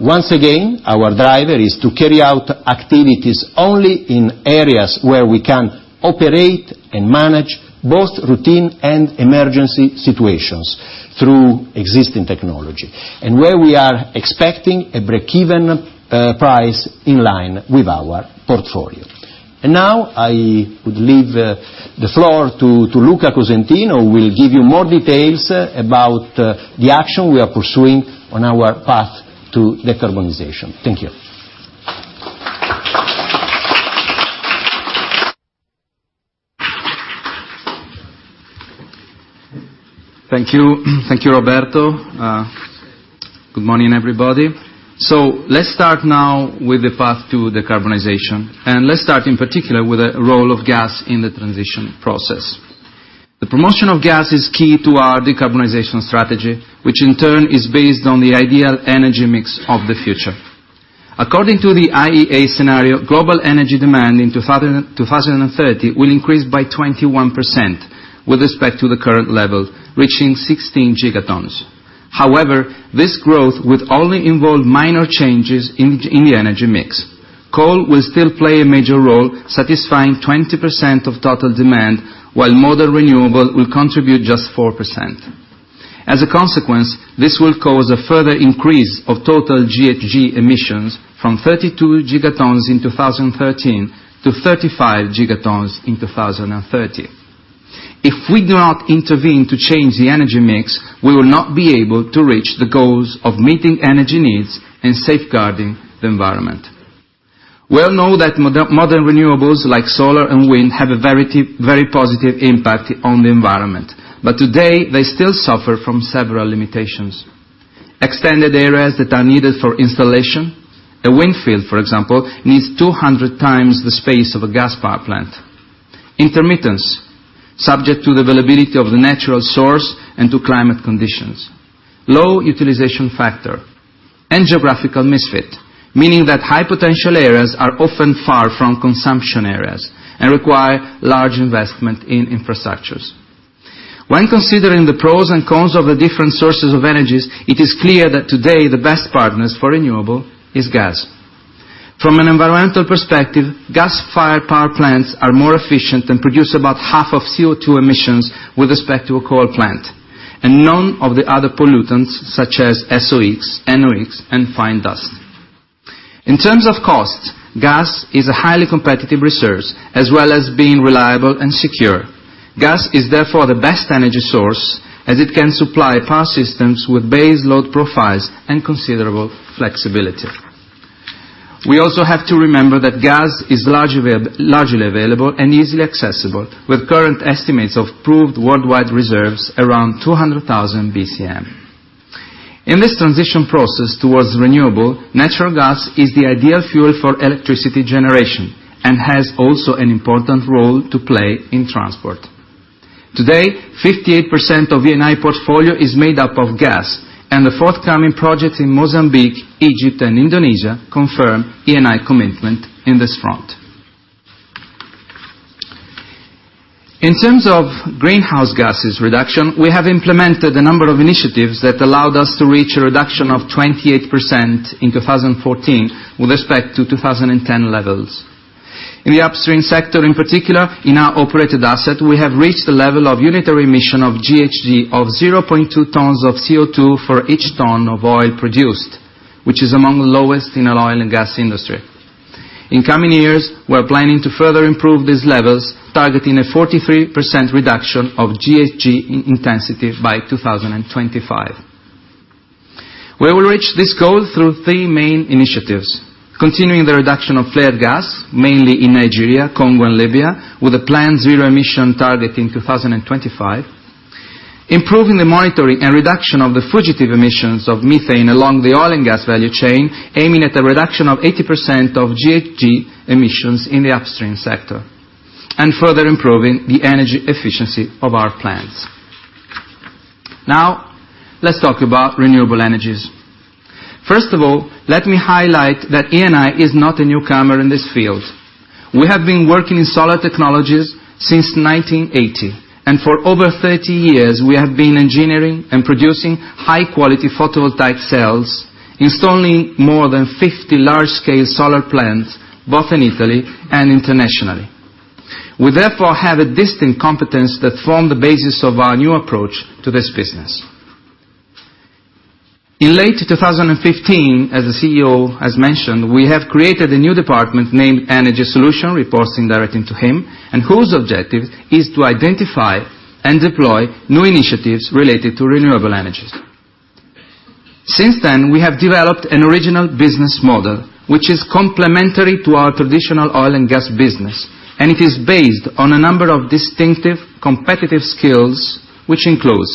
Once again, our driver is to carry out activities only in areas where we can operate and manage both routine and emergency situations through existing technology, and where we are expecting a break-even price in line with our portfolio. Now, I would leave the floor to Luca Cosentino, who will give you more details about the action we are pursuing on our path to decarbonization. Thank you. Thank you. Thank you, Roberto. Good morning, everybody. Let's start now with the path to decarbonization, let's start in particular with the role of gas in the transition process. The promotion of gas is key to our decarbonization strategy, which in turn is based on the ideal energy mix of the future. According to the IEA scenario, global energy demand in 2030 will increase by 21% with respect to the current level, reaching 16 gigatons. However, this growth would only involve minor changes in the energy mix. Coal will still play a major role, satisfying 20% of total demand, while modern renewable will contribute just 4%. As a consequence, this will cause a further increase of total GHG emissions from 32 gigatons in 2013 to 35 gigatons in 2030. If we do not intervene to change the energy mix, we will not be able to reach the goals of meeting energy needs and safeguarding the environment. We all know that modern renewables, like solar and wind, have a very positive impact on the environment. Today, they still suffer from several limitations. Extended areas that are needed for installation. A wind farm, for example, needs 200 times the space of a gas power plant. Intermittence, subject to the availability of the natural source and to climate conditions. Low utilization factor and geographical misfit, meaning that high potential areas are often far from consumption areas and require large investment in infrastructures. When considering the pros and cons of the different sources of energies, it is clear that today the best partners for renewable is gas. From an environmental perspective, gas-fired power plants are more efficient and produce about half of CO2 emissions with respect to a coal plant, and none of the other pollutants such as SOx, NOx, and fine dust. In terms of cost, gas is a highly competitive resource, as well as being reliable and secure. Gas is therefore the best energy source as it can supply power systems with base load profiles and considerable flexibility. We also have to remember that gas is largely available and easily accessible, with current estimates of proved worldwide reserves around 200,000 BCM. In this transition process towards renewable, natural gas is the ideal fuel for electricity generation and has also an important role to play in transport. Today, 58% of Eni portfolio is made up of gas, and the forthcoming project in Mozambique, Egypt, and Indonesia confirm Eni commitment in this front. In terms of greenhouse gases reduction, we have implemented a number of initiatives that allowed us to reach a reduction of 28% in 2014 with respect to 2010 levels. In the upstream sector in particular, in our operated asset, we have reached the level of unitary emission of GHG of 0.2 tons of CO2 for each ton of oil produced, which is among the lowest in our oil and gas industry. In coming years, we are planning to further improve these levels, targeting a 43% reduction of GHG intensity by 2025. We will reach this goal through three main initiatives. Continuing the reduction of flared gas, mainly in Nigeria, Congo, and Libya, with a planned zero emission target in 2025. Improving the monitoring and reduction of the fugitive emissions of methane along the oil and gas value chain, aiming at a reduction of 80% of GHG emissions in the upstream sector. Further improving the energy efficiency of our plants. Let's talk about renewable energies. Let me highlight that Eni is not a newcomer in this field. We have been working in solar technologies since 1980, and for over 30 years we have been engineering and producing high-quality photovoltaic cells, installing more than 50 large-scale solar plants both in Italy and internationally. We therefore have a distinct competence that form the basis of our new approach to this business. In late 2015, as the CEO has mentioned, we have created a new department named Energy Solutions, reporting directly to him, whose objective is to identify and deploy new initiatives related to renewable energies. Since then, we have developed an original business model, which is complementary to our traditional oil and gas business. It is based on a number of distinctive competitive skills which includes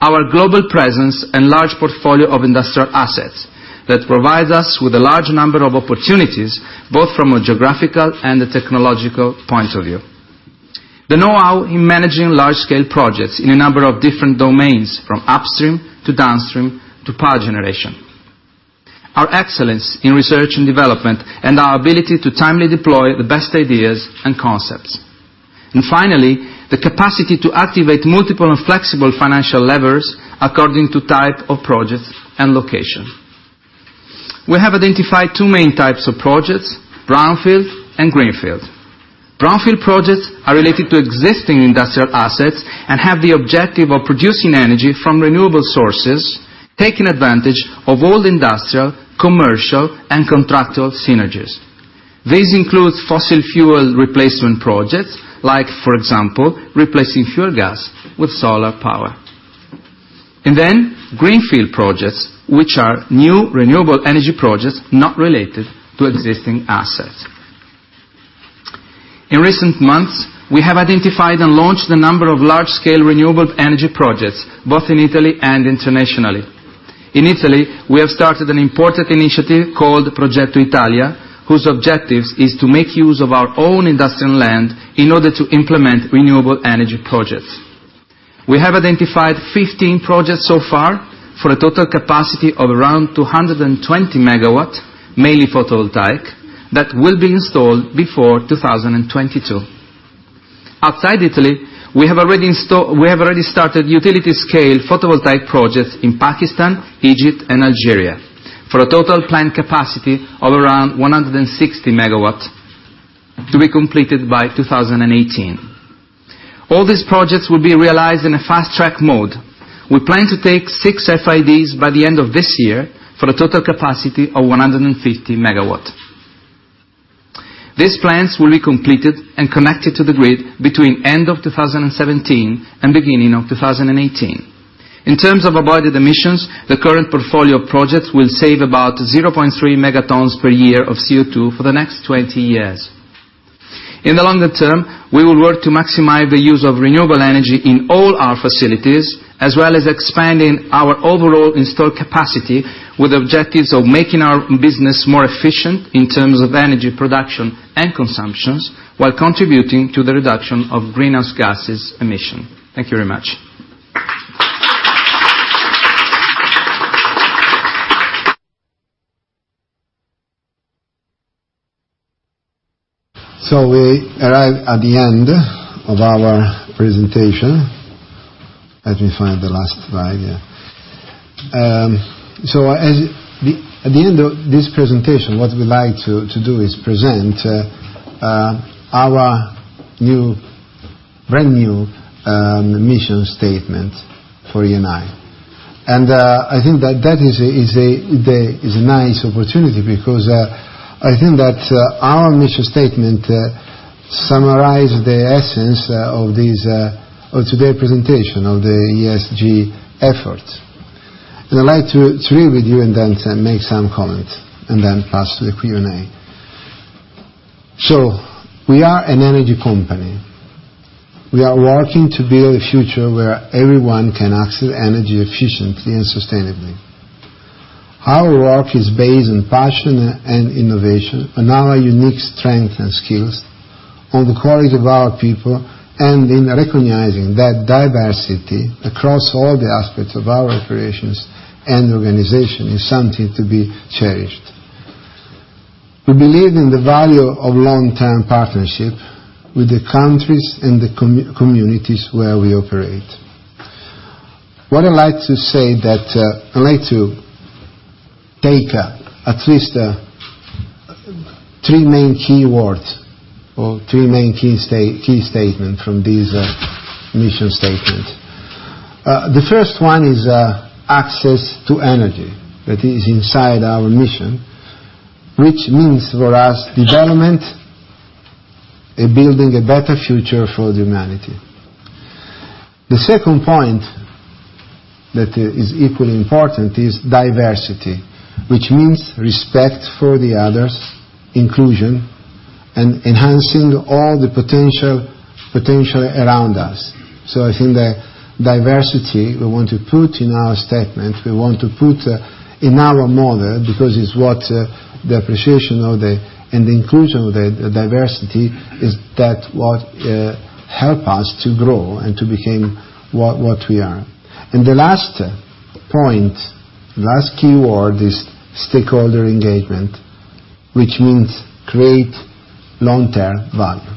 our global presence and large portfolio of industrial assets that provide us with a large number of opportunities, both from a geographical and a technological point of view. The know-how in managing large-scale projects in a number of different domains from upstream to downstream to power generation. Our excellence in research and development, our ability to timely deploy the best ideas and concepts. Finally, the capacity to activate multiple and flexible financial levers according to type of project and location. We have identified 2 main types of projects, brownfield and greenfield. Brownfield projects are related to existing industrial assets and have the objective of producing energy from renewable sources, taking advantage of all industrial, commercial, and contractual synergies. These include fossil fuel replacement projects like, for example, replacing fuel gas with solar power. Then greenfield projects, which are new renewable energy projects not related to existing assets. In recent months, we have identified and launched a number of large-scale renewable energy projects both in Italy and internationally. In Italy, we have started an important initiative called Progetto Italia, whose objectives is to make use of our own industrial land in order to implement renewable energy projects. We have identified 15 projects so far for a total capacity of around 220 MW, mainly photovoltaic, that will be installed before 2022. Outside Italy, we have already started utility-scale photovoltaic projects in Pakistan, Egypt, and Algeria for a total planned capacity of around 160 MW to be completed by 2018. All these projects will be realized in a fast-track mode. We plan to take 6 FIDs by the end of this year for a total capacity of 150 MW. These plants will be completed and connected to the grid between end of 2017 and beginning of 2018. In terms of avoided emissions, the current portfolio of projects will save about 0.3 megatons per year of CO2 for the next 20 years. In the longer term, we will work to maximize the use of renewable energy in all our facilities, as well as expanding our overall installed capacity with objectives of making our business more efficient in terms of energy production and consumptions while contributing to the reduction of greenhouse gases emission. Thank you very much. We arrive at the end of our presentation. Let me find the last slide. At the end of this presentation, what we'd like to do is present our brand-new mission statement for Eni. I think that is a nice opportunity because I think that our mission statement summarize the essence of today presentation, of the ESG effort. I'd like to read with you and then to make some comment, and then pass to the Q&A. We are an energy company. We are working to build a future where everyone can access energy efficiently and sustainably. Our work is based on passion and innovation, on our unique strengths and skills, on the quality of our people, and in recognizing that diversity across all the aspects of our operations and organization is something to be cherished. We believe in the value of long-term partnership with the countries and the communities where we operate. What I'd like to say, I'd like to take at least three main key words, or three main key statements from this mission statement. The first one is access to energy. That is inside our mission, which means, for us, development, building a better future for humanity. The second point that is equally important is diversity, which means respect for the others, inclusion, and enhancing all the potential around us. I think that diversity, we want to put in our statement, we want to put in our model, because it's what the appreciation of the, and the inclusion of the diversity is that what help us to grow and to become what we are. The last point, last keyword, is stakeholder engagement, which means create long-term value.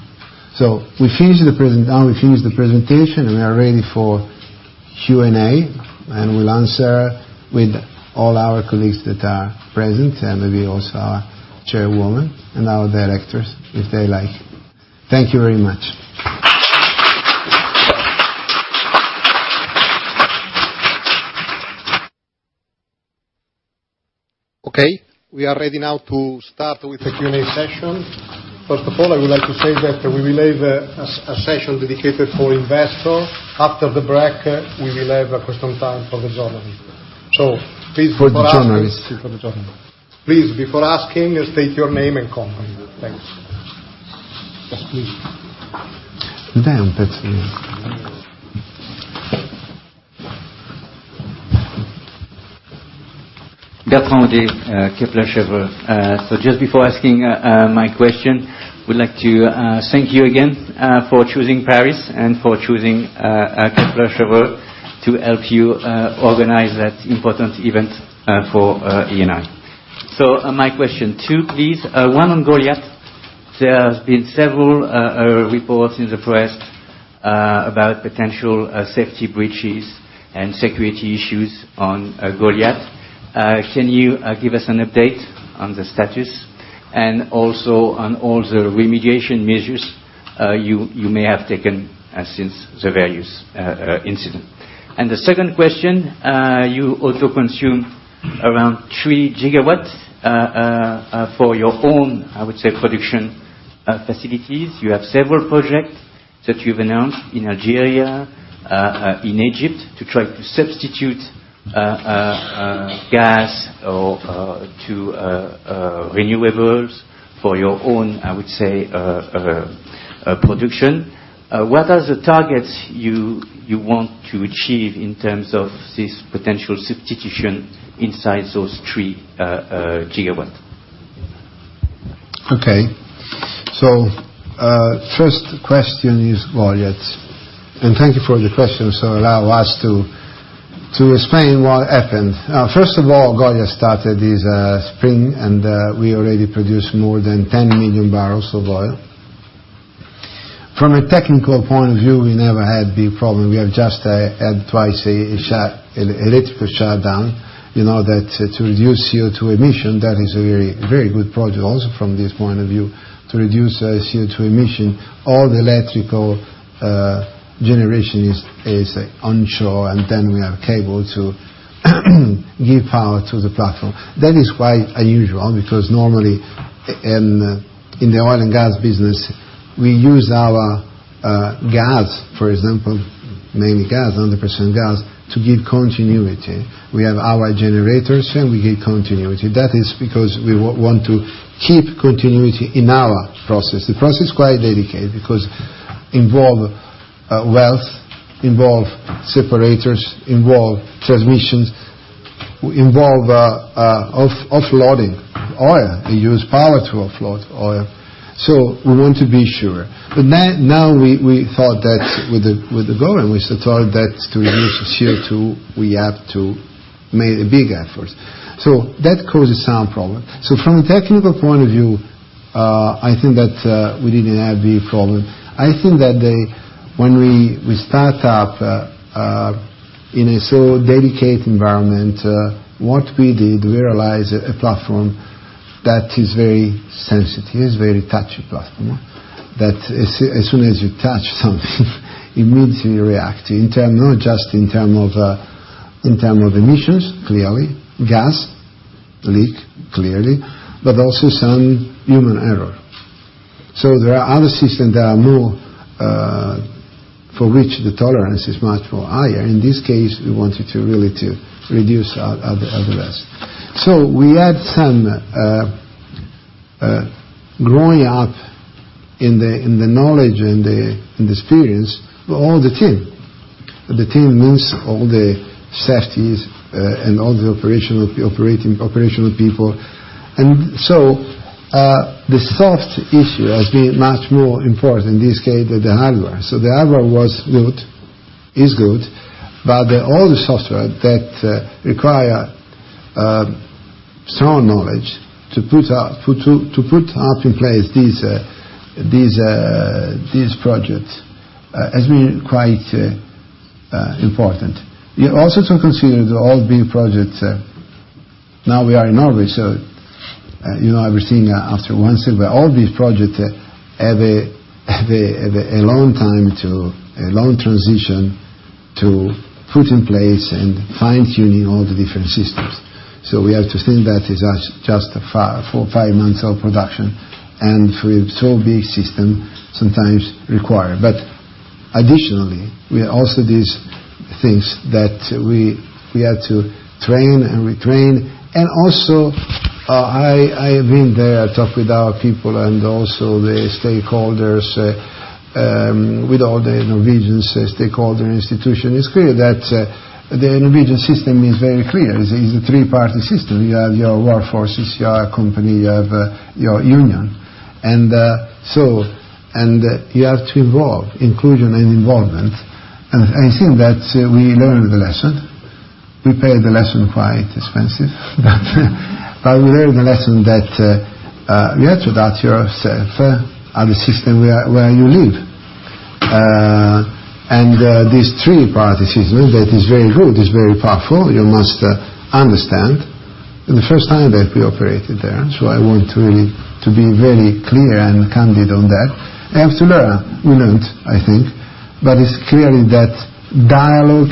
Now we finish the presentation, we are ready for Q&A. We'll answer with all our colleagues that are present, and maybe also our Chairwoman and our directors, if they like. Thank you very much. Okay, we are ready now to start with the Q&A session. First of all, I would like to say that we will leave a session dedicated for investors. After the break, we will have a question time for the journalists. For the journalists. For the journalists. Please, before asking, state your name and company. Thanks. Yes, please. Damn, that's Bertrand, Kepler Cheuvreux. Just before asking my question, I would like to thank you again for choosing Paris and for choosing Kepler Cheuvreux to help you organize that important event for Eni. My question, two, please. One on Goliat. There has been several reports in the press about potential safety breaches and security issues on Goliat. Can you give us an update on the status, and also on all the remediation measures you may have taken since the various incidents? The second question, you also consume around three gigawatts for your own, I would say, production facilities. You have several projects that you've announced in Algeria, in Egypt, to try to substitute gas to renewables for your own production. What are the targets you want to achieve in terms of this potential substitution inside those three gigawatts? Okay. First question is Goliat. Thank you for the question. Allow us to explain what happened. First of all, Goliat started this spring, and we already produce more than 10 million barrels of oil. From a technical point of view, we never had big problem. We have just had twice a electrical shutdown. You know that to reduce CO2 emission, that is a very good project also from this point of view. To reduce CO2 emission, all the electrical generation is onshore, and then we have cable to give power to the platform. That is quite unusual because normally, in the oil and gas business, we use our gas, for example, mainly gas, 100% gas, to give continuity. We have our generators, and we give continuity. That is because we want to keep continuity in our process. The process is quite delicate because involve wells, involve separators, involve transmissions, involve offloading oil. We use power to offload oil. We want to be sure. Now we thought that with the goal, we thought that to reduce CO2, we have to make a big effort. That causes some problem. From a technical point of view, I think that we didn't have big problem. I think that when we start up in a so delicate environment, what we did, we realized a platform that is very sensitive, is very touchy platform. That as soon as you touch something, immediately react. Not just in term of emissions, clearly, gas leak, clearly, but also some human error. There are other systems that are more, for which the tolerance is much more higher. In this case, we wanted to really to reduce all the rest. We had growing up in the knowledge and the experience with all the team. The team means all the safeties and all the operational people. The soft issue has been much more important in this case than the hardware. The hardware is good, but all the software that require strong knowledge to put up in place these projects has been quite important. To consider all big projects, now we are in Norway, I was thinking after once, all these projects have a long transition to put in place and fine-tuning all the different systems. We have to think that is just a four or five months of production, and for so big system sometimes require. Additionally, we have also these things that we had to train and retrain. I have been there, talked with our people and also the stakeholders, with all the Norwegian stakeholder institution. It's clear that the Norwegian system is very clear. It's a three-party system. You have your workforces, you have company, you have your union. You have to involve, inclusion and involvement. I think that we learned the lesson. We paid the lesson quite expensive, but we learned the lesson that you have to adapt yourself and the system where you live. These three-party system that is very good, is very powerful, you must understand. The first time that we operated there, I want to be very clear and candid on that. I have to learn. We learned, I think. It's clearly that dialogue,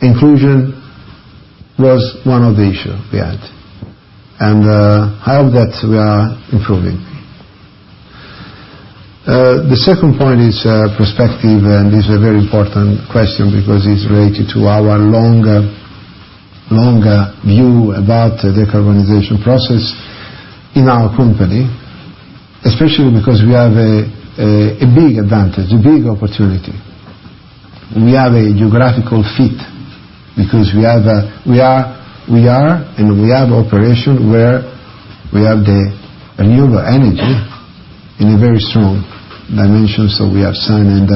inclusion, was one of the issue we had. I hope that we are improving. The second point is perspective, and this is a very important question because it's related to our longer view about the decarbonization process in our company, especially because we have a big advantage, a big opportunity. We have a geographical fit because we are, and we have operation where we have the renewable energy in a very strong dimension. We have sun, and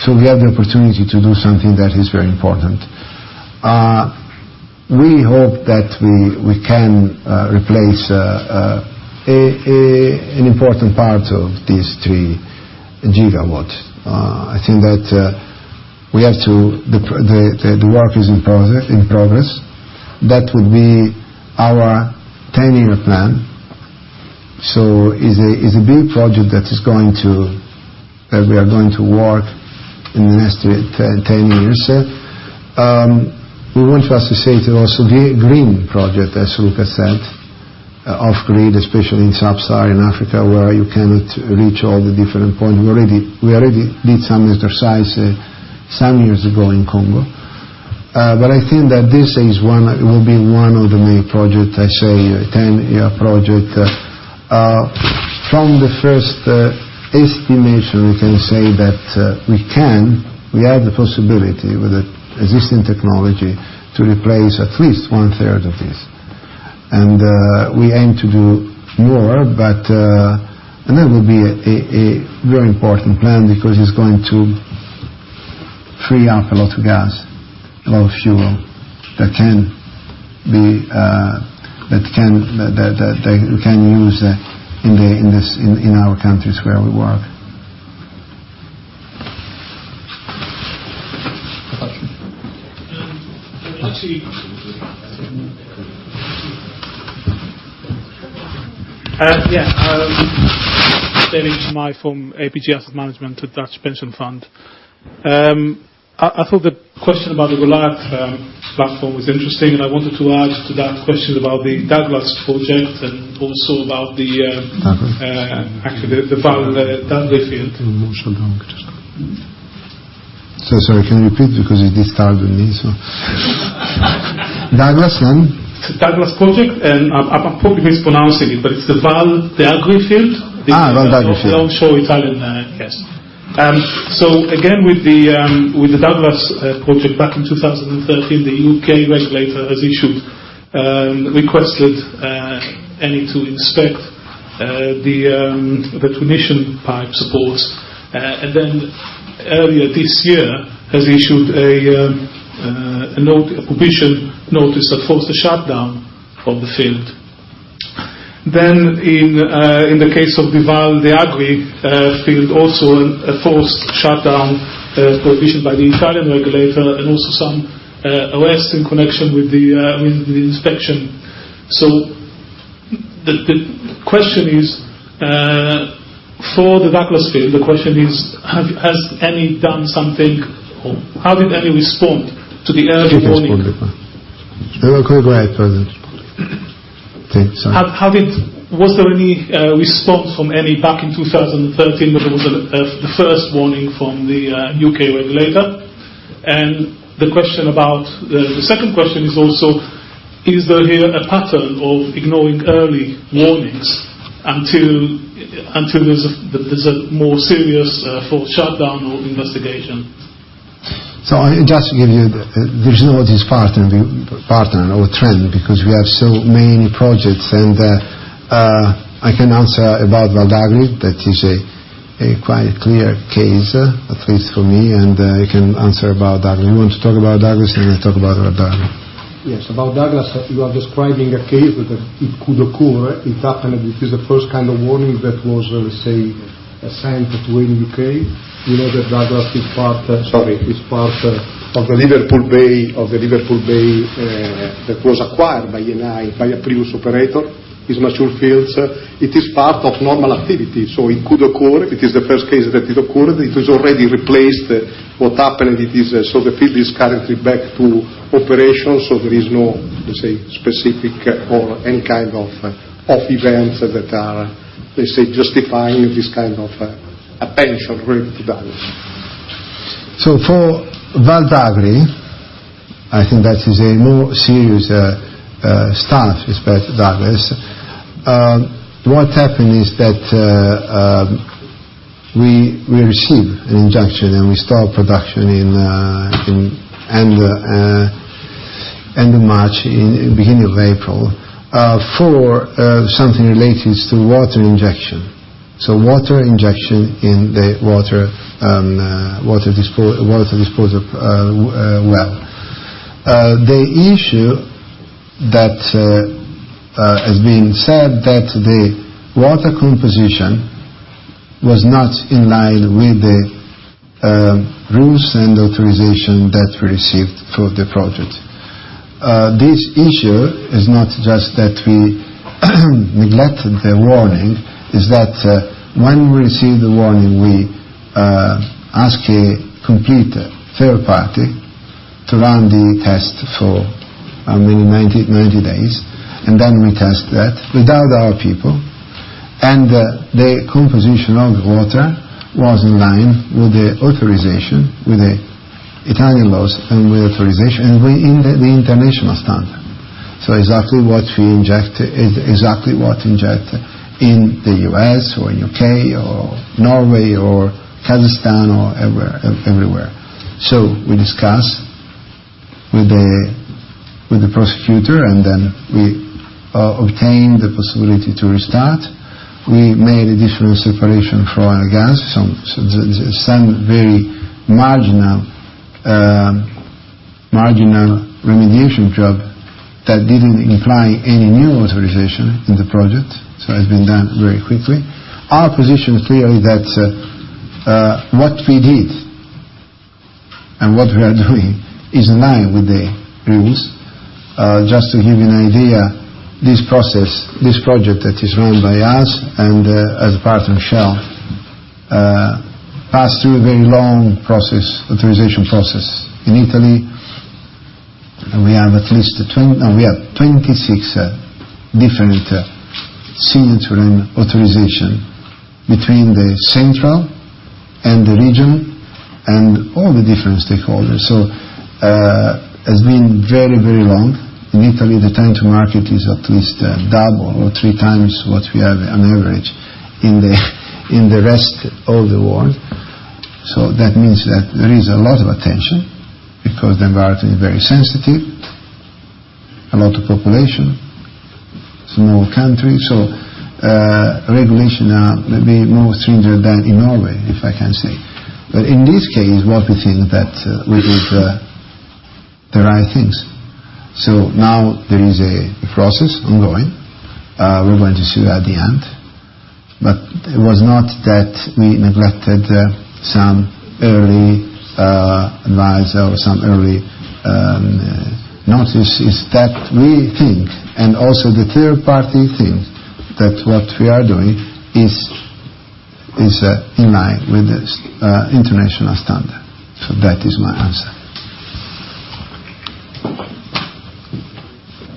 so we have the opportunity to do something that is very important. We hope that we can replace an important part of these three gigawatts. I think that the work is in progress. That would be our 10-year plan. Is a big project that we are going to work in the next 10 years. We want first to say it also green project, as Luca said, off-grid, especially in sub-Saharan Africa, where you cannot reach all the different point. We already did some exercise some years ago in Congo. I think that this will be one of the main project, I say, a 10-year project. From the first estimation, we can say that we can, we have the possibility with the existing technology to replace at least one-third of this. We aim to do more. That will be a very important plan because it's going to free up a lot of gas, a lot of fuel that we can use in our countries where we work. Yeah. Danny Meyer from APG Asset Management, a Dutch pension fund. I thought the question about the Goliat platform was interesting, and I wanted to add to that question about the Douglas actually the Val d'Agri field. Sorry, can you repeat because it is tied with me, so. Douglas, then? The Douglas project, I'm probably mispronouncing it, but it's the Val d'Agri field. Val d'Agri field. The offshore Italian, yes. Again, with the Douglas project back in 2013, the U.K. regulator requested Eni to inspect the completion pipe supports, earlier this year, has issued a prohibition notice that forced the shutdown of the field. In the case of the Val d'Agri field, also a forced shutdown prohibition by the Italian regulator and also some arrests in connection with the inspection. The question is, for the Douglas field, has Eni done something or how did Eni respond to the early warning? Was there any response from Eni back in 2013 when there was the first warning from the U.K. regulator? The second question is also, is there here a pattern of ignoring early warnings until there's a more serious, forced shutdown or investigation? I just give you, there's no this pattern or trend because we have so many projects. I can answer about Val d'Agri. That is a quite clear case, at least for me, and I can answer about that. You want to talk about Douglas, and I talk about Val d'Agri? Yes. About Douglas, you are describing a case that it could occur. It happened, it is the first kind of warning that was, let me say, sent to Eni UK. You know that Douglas is part- Sorry is part of the Liverpool Bay that was acquired by Eni, by a previous operator, is mature fields. It is part of normal activity, it could occur. It is the first case that it occurred. It was already replaced. What happened, the field is currently back to operation, there is no specific or any kind of off events that are justifying this kind of attention related to that. For Val d'Agri, I think that is a more serious stance with Douglas. What happened, we received an injunction, and we stopped production in end of March, beginning of April, for something related to water injection. Water injection in the water disposal well. The issue that is being said that the water composition was not in line with the rules and authorization that we received for the project. This issue is not just that we neglected the warning, when we received the warning, we asked a complete third party to run the test for how many, 90 days, and then we test that. We doubled our people, and the composition of water was in line with the authorization, with the Italian laws and with authorization and with the international standard. Exactly what inject in the U.S. or U.K. or Norway or Kazakhstan or everywhere. We discuss with the prosecutor, and we obtain the possibility to restart. We made additional separation for oil and gas, some very marginal remediation job that didn't imply any new authorization in the project. It has been done very quickly. Our position is clear that what we did and what we are doing is in line with the rules. Just to give you an idea, this project that is run by us and, as a partner, Shell, passed through a very long authorization process in Italy, and we have 26 different signature and authorization between the central and the region and all the different stakeholders. Has been very, very long. In Italy, the time to market is at least double or three times what we have on average in the rest of the world. That means that there is a lot of attention because the environment is very sensitive, a lot of population, small country. Regulation may be more stringent than in Norway, if I can say. In this case, what we think that we did the right things. Now there is a process ongoing. We're going to see at the end. It was not that we neglected some early advice or some early notice. It's that we think, and also the third party think, that what we are doing is in line with the international standard. That is my answer.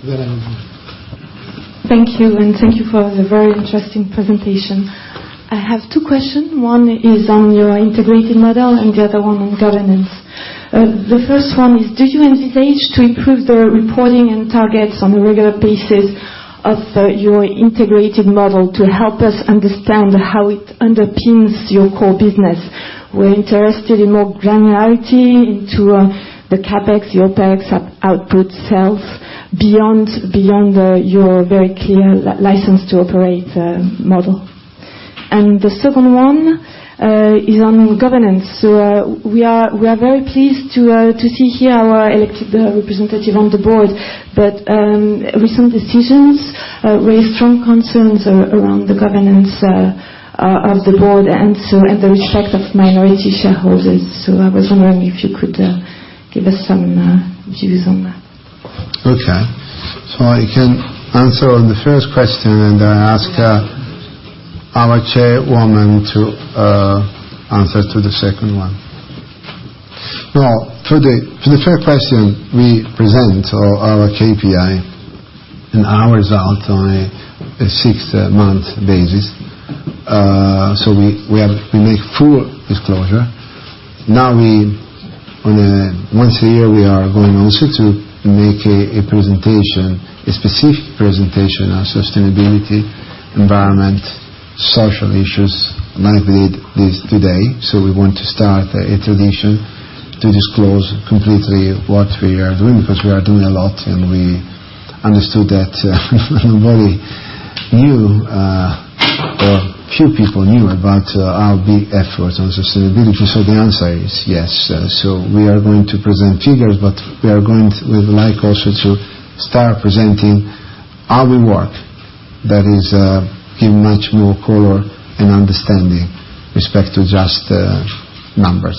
Veronique. Thank you, and thank you for the very interesting presentation. I have two questions. One is on your integrated model, and the other one on governance. The first one is, did you envisage to improve the reporting and targets on a regular basis of your integrated model to help us understand how it underpins your core business? We're interested in more granularity into the CapEx, OpEx, output, sales beyond your very clear license to operate model. The second one is on governance. We are very pleased to see here our elected representative on the board, recent decisions raised strong concerns around the governance of the board and the respect of minority shareholders. I was wondering if you could give us some views on that. Okay. I can answer on the first question, and I ask our chairwoman to answer to the second one. For the first question, we present our KPI and our results on a six-month basis. We make full disclosure. Once a year, we are going also to make a presentation, a specific presentation on sustainability, environment, social issues like we did today. We want to start a tradition to disclose completely what we are doing because we are doing a lot, and we understood that nobody knew, or few people knew about our big efforts on sustainability. The answer is yes. We are going to present figures, but we would like also to start presenting how we work. That is give much more color and understanding, respect to just numbers.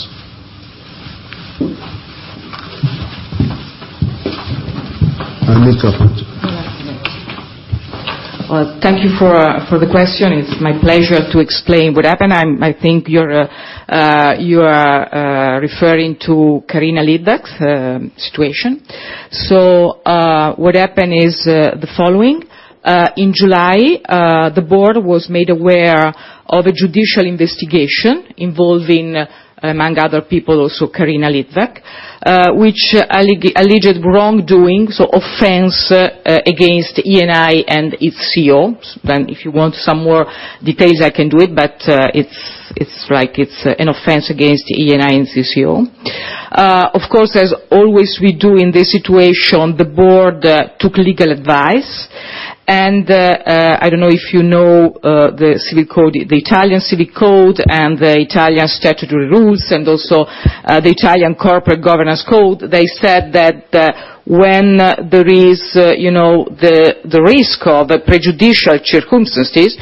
Emma Marcegaglia. Well, thank you for the question. It's my pleasure to explain what happened. I think you are referring to Karina Litvack's situation. What happened is the following. In July, the board was made aware of a judicial investigation involving, among other people, also Karina Litvack, which alleged wrongdoing, offense against Eni and its CEO. If you want some more details, I can do it, but it's an offense against Eni and its CEO. Of course, as always we do in this situation, the board took legal advice, and I don't know if you know the Italian civil code, and the Italian statutory rules, and also the Italian corporate governance code. They said that when there is the risk of prejudicial circumstances,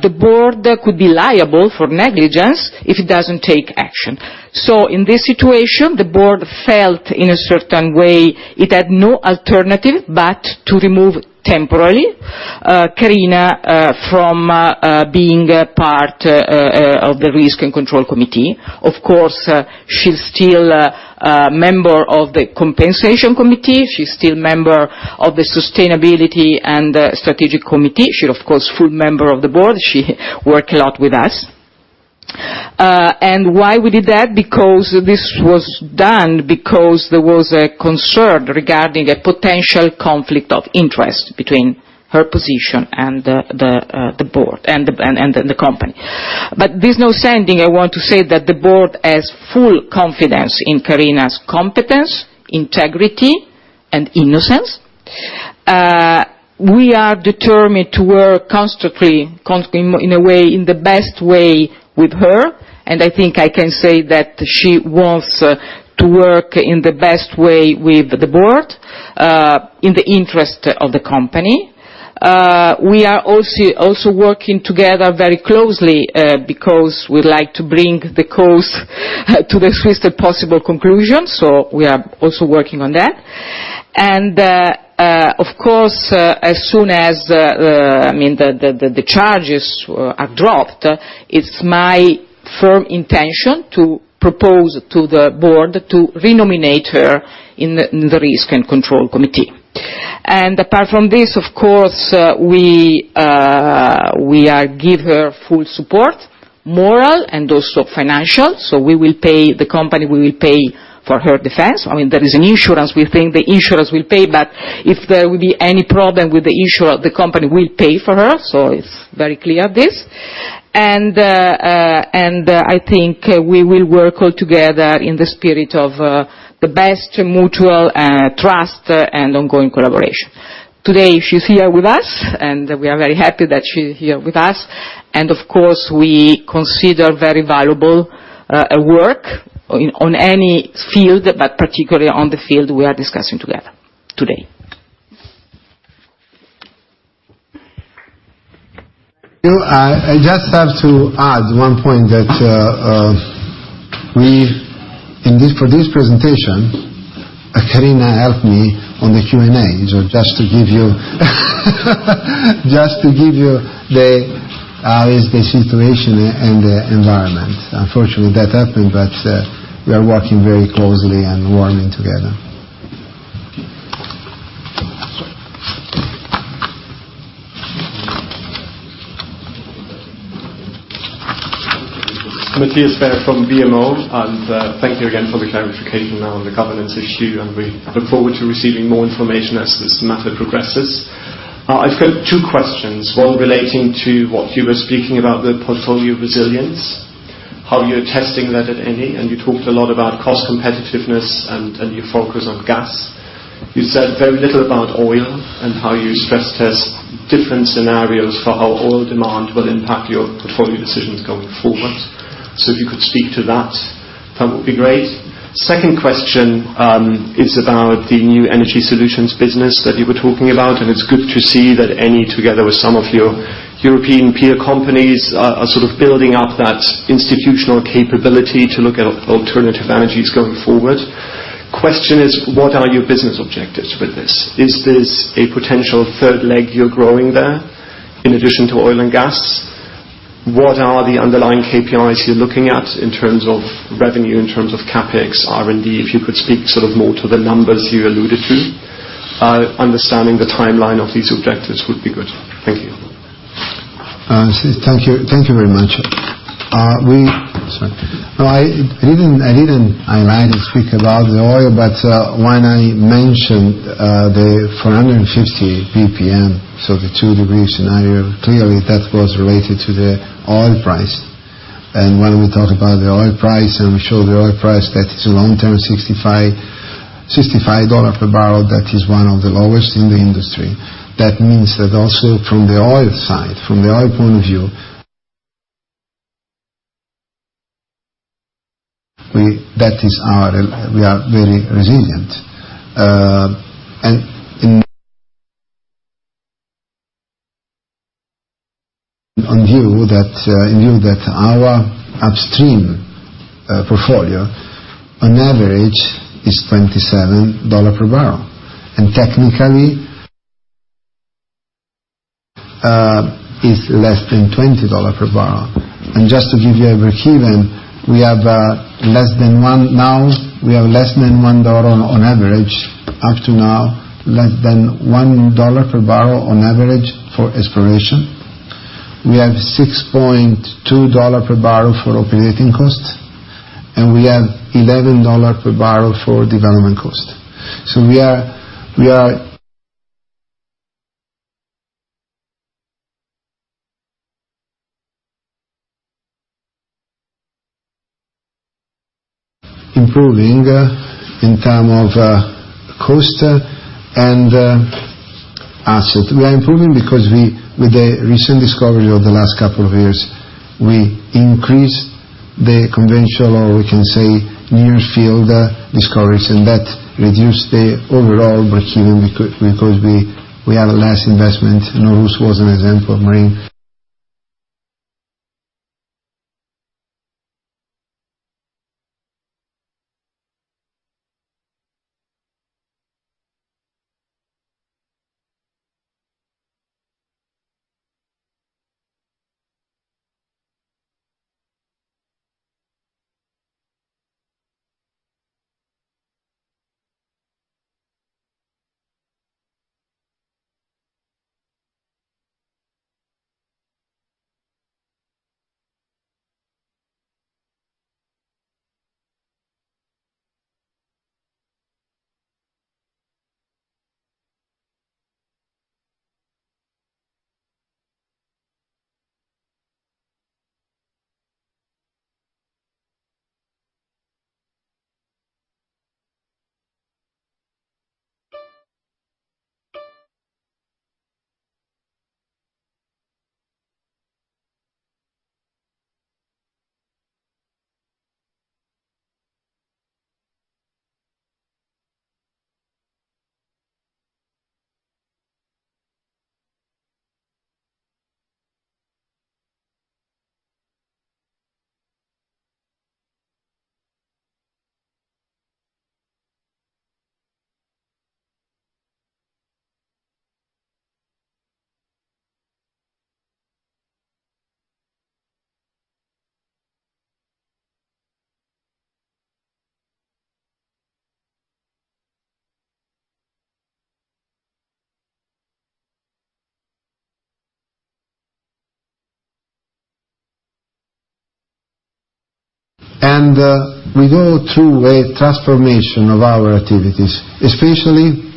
the board could be liable for negligence if it doesn't take action. In this situation, the board felt, in a certain way, it had no alternative but to remove temporarily Karina from being a part of the Risk and Control Committee. Of course, she's still a member of the Compensation Committee. She's still member of the Sustainability and Scenarios Committee. She, of course, full member of the board. She work a lot with us. Why we did that? Because this was done because there was a concern regarding a potential conflict of interest between her position and the board and the company. This notwithstanding, I want to say that the board has full confidence in Karina's competence, integrity, and innocence. We are determined to work constantly in the best way with her, and I think I can say that she wants to work in the best way with the board, in the interest of the company. We are also working together very closely, because we'd like to bring the case to the fastest possible conclusion. We are also working on that. Of course, as soon as the charges are dropped, it's my firm intention to propose to the board to renominate her in the Risk and Control Committee. Apart from this, of course, we give her full support, moral and also financial. The company will pay for her defense. There is an insurance. We think the insurance will pay, but if there will be any problem with the insurance, the company will pay for her. It's very clear, this. I think we will work all together in the spirit of the best mutual trust and ongoing collaboration. Today, she's here with us, and we are very happy that she's here with us. Of course, we consider very valuable her work on any field, but particularly on the field we are discussing together today. I just have to add one point that for this presentation, Karina helped me on the Q&A. Just to give you the situation and the environment. Unfortunately, that happened, but we are working very closely and well together. Matthias Baer from BMO, and thank you again for the clarification on the governance issue, and we look forward to receiving more information as this matter progresses. I've got two questions. One relating to what you were speaking about, the portfolio resilience, how you're testing that at Eni, and you talked a lot about cost competitiveness and your focus on gas. You said very little about oil and how you stress test different scenarios for how oil demand will impact your portfolio decisions going forward. If you could speak to that would be great. Second question is about the new energy solutions business that you were talking about, and it's good to see that Eni, together with some of your European peer companies, are sort of building up that institutional capability to look at alternative energies going forward. Question is, what are your business objectives with this? Is this a potential third leg you're growing there in addition to oil and gas? What are the underlying KPIs you're looking at in terms of revenue, in terms of CapEx, R&D? If you could speak more to the numbers you alluded to, understanding the timeline of these objectives would be good. Thank you. Thank you very much. Sorry. I didn't speak about the oil, but when I mentioned the 450 ppm, so the two degrees scenario, clearly that was related to the oil price. When we talk about the oil price, and we show the oil price that is a long-term EUR 65 per barrel, that is one of the lowest in the industry. That means that also from the oil side, from the oil point of view, that we are very resilient. In view that our upstream portfolio on average is EUR 27 per barrel, and technically is less than EUR 20 per barrel. Just to give you a breakeven, now we have less than EUR 1 on average up to now, less than EUR 1 per barrel on average for exploration. We have EUR 6.20 per barrel for operating costs, and we have EUR 11 per barrel for development cost. We are improving in term of cost and asset. We are improving because with the recent discovery of the last couple of years, we increased the conventional, or we can say near field discoveries, and that reduced the overall breakeven because we have less investment. Nooros was an example, Marine. We go through a transformation of our activities, especially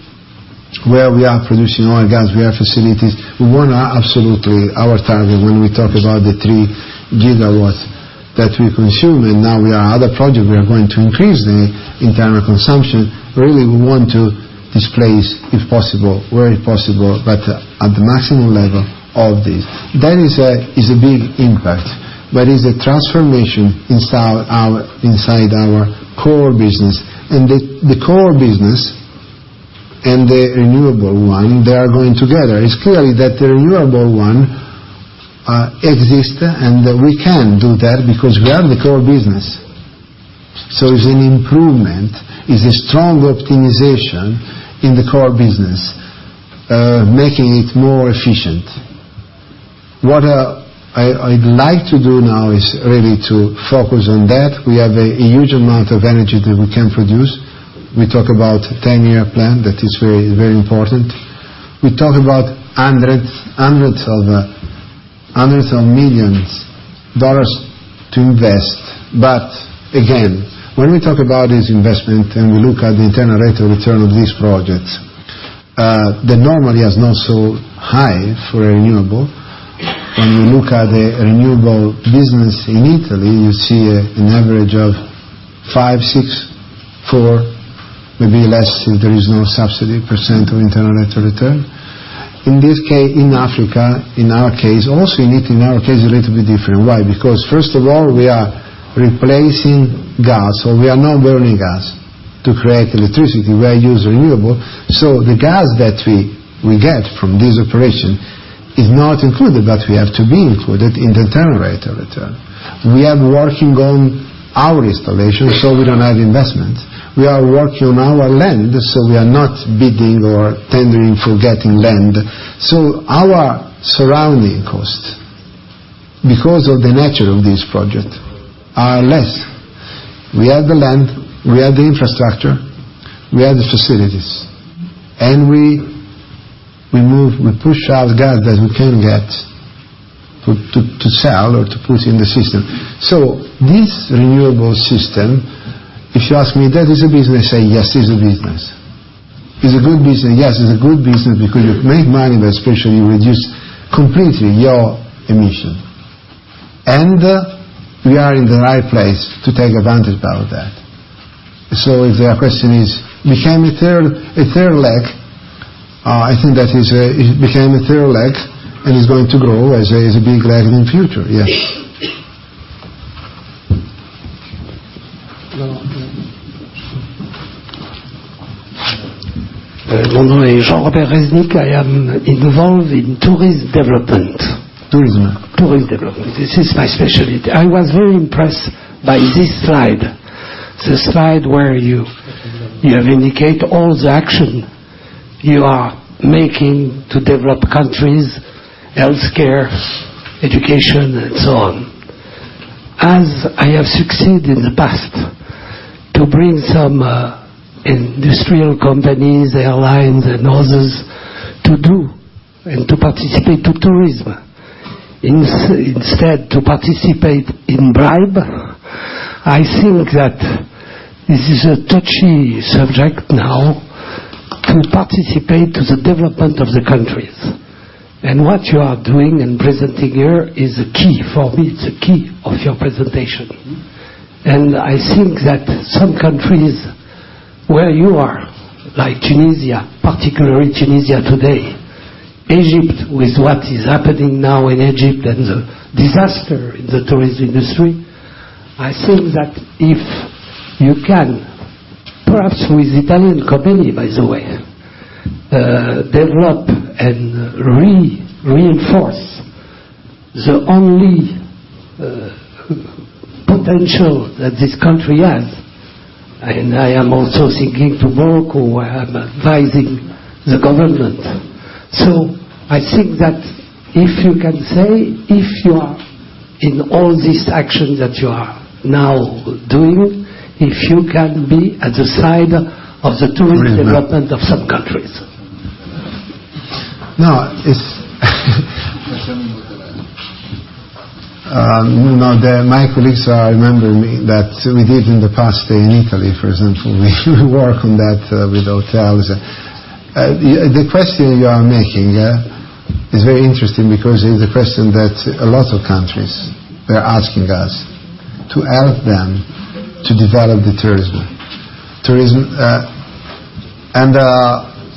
where we are producing oil and gas. We have facilities. We want absolutely our target when we talk about the three gigawatts that we consume, and now we are other project, we are going to increase the internal consumption. Really, we want to displace, if possible, where possible, but at the maximum level of this. That is a big impact, but is a transformation inside our core business. The core business and the renewable one, they are going together. It's clearly that the renewable one exists, and we can do that because we have the core business. It's an improvement. It's a strong optimization in the core business, making it more efficient. What I'd like to do now is really to focus on that. We have a huge amount of energy that we can produce. We talk about 10-year plan that is very important. We talk about hundreds of millions EUR to invest. Again, when we talk about this investment and we look at the internal rate of return of this project, that normally is not so high for a renewable. When you look at the renewable business in Italy, you see an average of five, six, four, maybe less if there is no subsidy % of internal rate of return. In Africa, in our case, also in Italy, in our case, a little bit different. Why? First of all, we are replacing gas, we are not burning gas to create electricity. We are using renewable. The gas that we get from this operation is not included, but we have to be included in the internal rate of return. We are working on our installation, we don't have investment. We are working on our land, we are not bidding or tendering for getting land. Our surrounding cost Because of the nature of this project, are less. We have the land, we have the infrastructure, we have the facilities, and we push out gas that we can get to sell or to put in the system. This renewable system, if you ask me, that is a business, I say, "Yes, it's a business." It's a good business. Yes, it's a good business because you make money, but especially, you reduce completely your emission. We are in the right place to take advantage out of that. If your question is, became a third leg, I think that it became a third leg, and is going to grow as a big leg in future. Yes. No. My name is Jean Robert Reznik. I am involved in tourist development. Tourism. Tourist development. This is my specialty. I was very impressed by this slide. The slide where you have indicated all the action you are making to develop countries, healthcare, education, and so on. I have succeeded in the past to bring some industrial companies, airlines, and others to do and to participate to tourism. Instead to participate in bribe, I think that this is a touchy subject now to participate to the development of the countries. What you are doing and presenting here is the key for me. It's the key of your presentation. I think that some countries where you are, like Tunisia, particularly Tunisia today, Egypt with what is happening now in Egypt and the disaster in the tourism industry. I think that if you can, perhaps with Italian company by the way, develop and reinforce the only potential that this country has. I am also thinking to Morocco where I am advising the government. I think that if you can say if you are in all these actions that you are now doing, if you can be at the side of the tourism- Tourism development of some countries. My colleagues remember me that we did in the past in Italy, for example, we work on that with hotels. The question you are making is very interesting because it's a question that a lot of countries are asking us to help them to develop the tourism.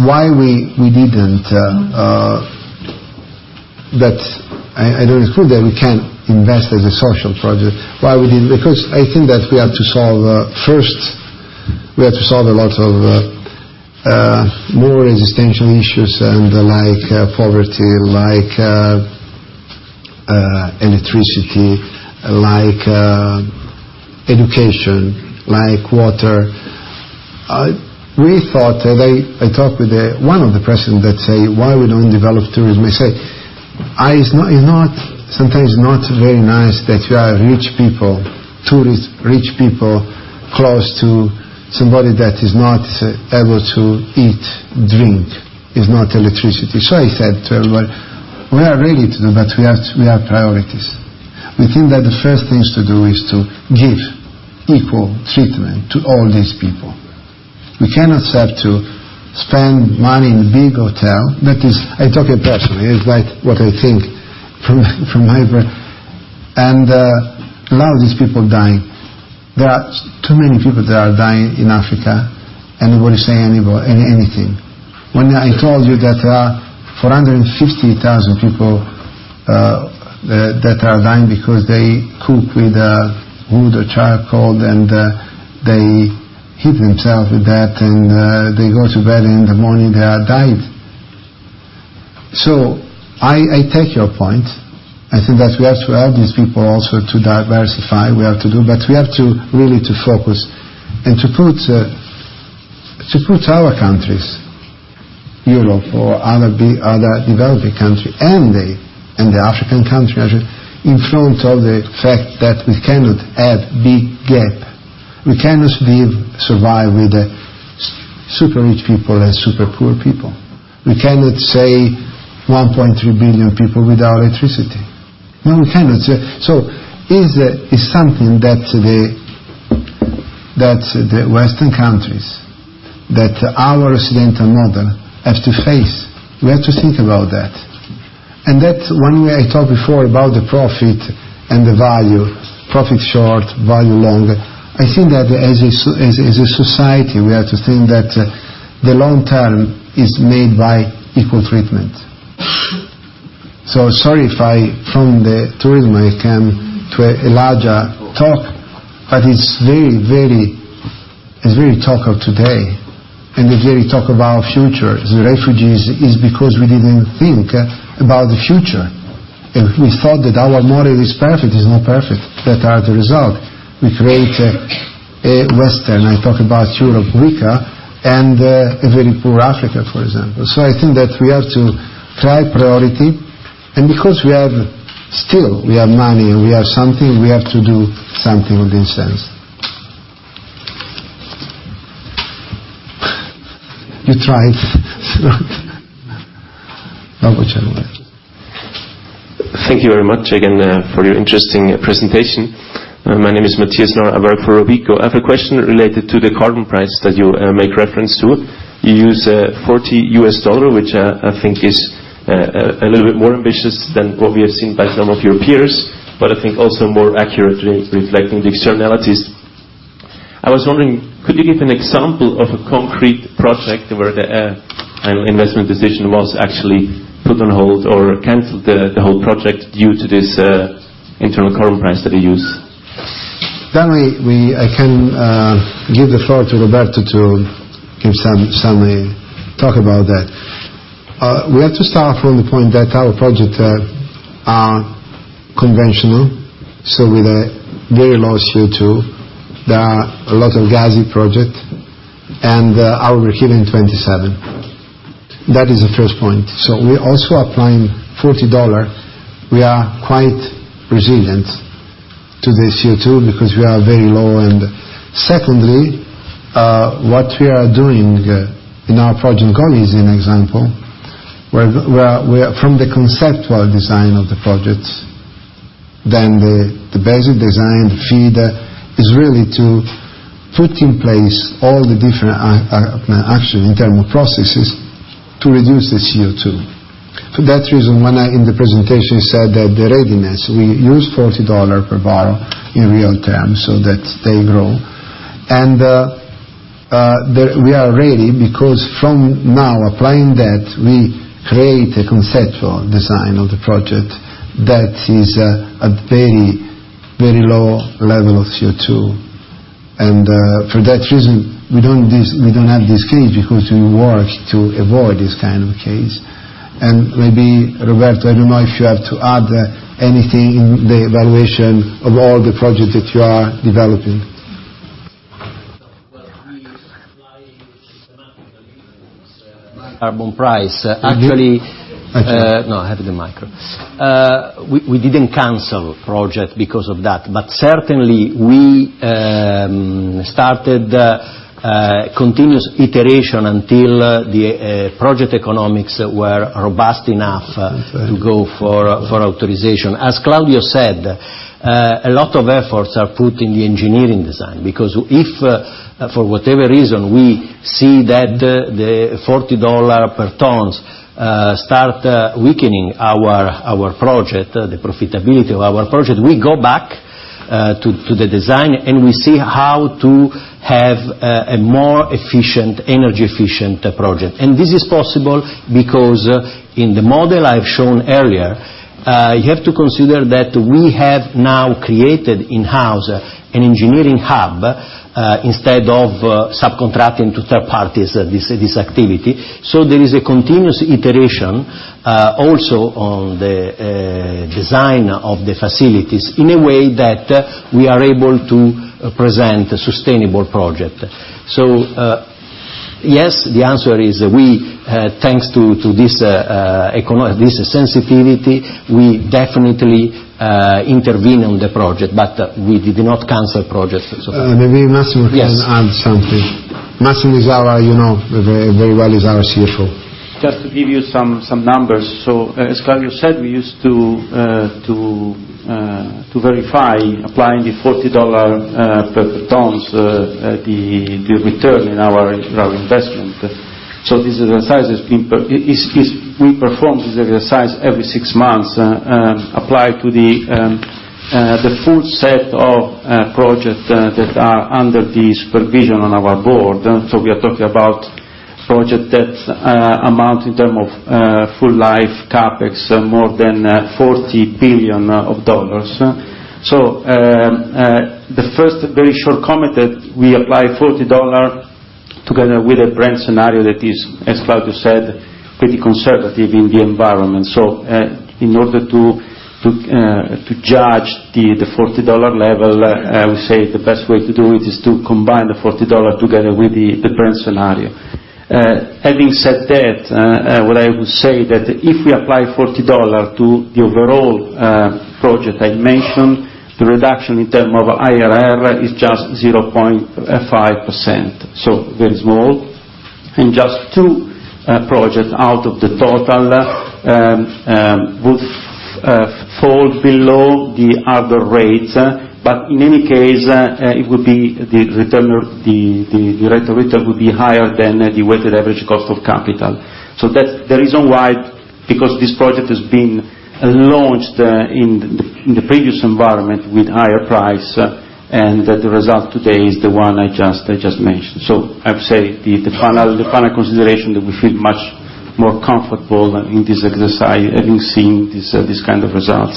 Why we didn't I don't exclude that we can't invest as a social project. Why we didn't? I think that first, we have to solve a lot of more existential issues and like poverty, like electricity, like education, like water. I talked with one of the person that say why we don't develop tourism. I say, sometimes not very nice that you have rich people, tourists, rich people close to somebody that is not able to eat, drink. There's no electricity. I said to everyone, "We are ready to do, but we have priorities." We think that the first things to do is to give equal treatment to all these people. We cannot accept to spend money in a big hotel. I talk personally. It's like what I think from my and a lot of these people dying. There are too many people that are dying in Africa, and nobody say anything. When I told you that there are 450,000 people that are dying because they cook with wood or charcoal and they heat themselves with that and they go to bed in the morning, they are died. I take your point. I think that we have to help these people also to diversify. We have to do. We have to really focus and to put our countries, Europe or other developing country and the African country in front of the fact that we cannot have big gap. We cannot live, survive with super rich people and super poor people. We cannot say 1.3 billion people without electricity. No, we cannot. It's something that the Western countries, that our residential model have to face. We have to think about that. That's one way I talked before about the profit and the value. Profit short, value long. I think that as a society, we have to think that the long term is made by equal treatment. Sorry if from the tourism I come to a larger talk, but it's very talk of today and a very talk about future. The refugees is because we didn't think about the future. We thought that our model is perfect. Is not perfect. That are the result. We create A Western, I talk about Europe, [inaudible] and a very poor Africa, for example. I think that we have to try priority. Because we have money, we have something, we have to do something with this sense. You try it. No. Thank you very much again for your interesting presentation. My name is Matthias Noor. I work for Robeco. I have a question related to the carbon price that you make reference to. You use $40 US, which I think is a little bit more ambitious than what we have seen by some of your peers. I think also more accurately reflecting the externalities. I was wondering, could you give an example of a concrete project where an investment decision was actually put on hold or canceled the whole project due to this internal carbon price that you use? I can give the floor to Roberto to give some talk about that. We have to start from the point that our projects are conventional, so with a very low CO2. There are a lot of gassy project, and our heating 27. That is the first point. We're also applying $40. We are quite resilient to the CO2 because we are very low. Secondly, what we are doing in our project, Goliat is an example, from the conceptual design of the project, then the basic design, the FEED, is really to put in place all the different action internal processes to reduce the CO2. For that reason, when I, in the presentation, said that the readiness, we use $40 per barrel in real terms so that they grow. We are ready because from now applying that, we create a conceptual design of the project that is a very low level of CO2. For that reason, we don't have this case because we work to avoid this kind of case. Maybe, Roberto, I don't know if you have to add anything in the evaluation of all the projects that you are developing. Well, we apply systematically these rules. Carbon price, actually. Actually. No, I have the microphone. Certainly, we started continuous iteration until the project economics were robust enough. Fair enough to go for authorization. As Claudio said, a lot of efforts are put in the engineering design because if, for whatever reason, we see that the $40 per tons start weakening our project, the profitability of our project, we go back to the design, and we see how to have a more energy efficient project. This is possible because in the model I've shown earlier, you have to consider that we have now created in-house an engineering hub instead of subcontracting to third parties this activity. There is a continuous iteration, also on the design of the facilities in a way that we are able to present a sustainable project. Yes, the answer is, thanks to this sensitivity, we definitely intervene on the project, but we did not cancel projects as of now. Maybe Massimo can add something. Yes. Massimo you know very well, is our CFO. Just to give you some numbers. As Claudio said, we used to verify applying the EUR 40 per tons, the return in our investment. We perform this exercise every six months, applied to the full set of projects that are under the supervision on our board. We are talking about project that amount in term of full life CapEx, more than EUR 40 billion. The first very short comment that we apply EUR 40 together with a Brent scenario that is, as Claudio said, pretty conservative in the environment. In order to judge the EUR 40 level, I would say the best way to do it is to combine the EUR 40 together with the Brent scenario. Having said that, what I would say that if we apply EUR 40 to the overall project I mentioned, the reduction in term of IRR is just 0.5%, so very small. Just two projects out of the total would fall below the hurdle rates. In any case, the rate of return would be higher than the weighted average cost of capital. That's the reason why, because this project has been launched in the previous environment with higher price, and that the result today is the one I just mentioned. I would say the final consideration that we feel much more comfortable in this exercise, having seen these kind of results.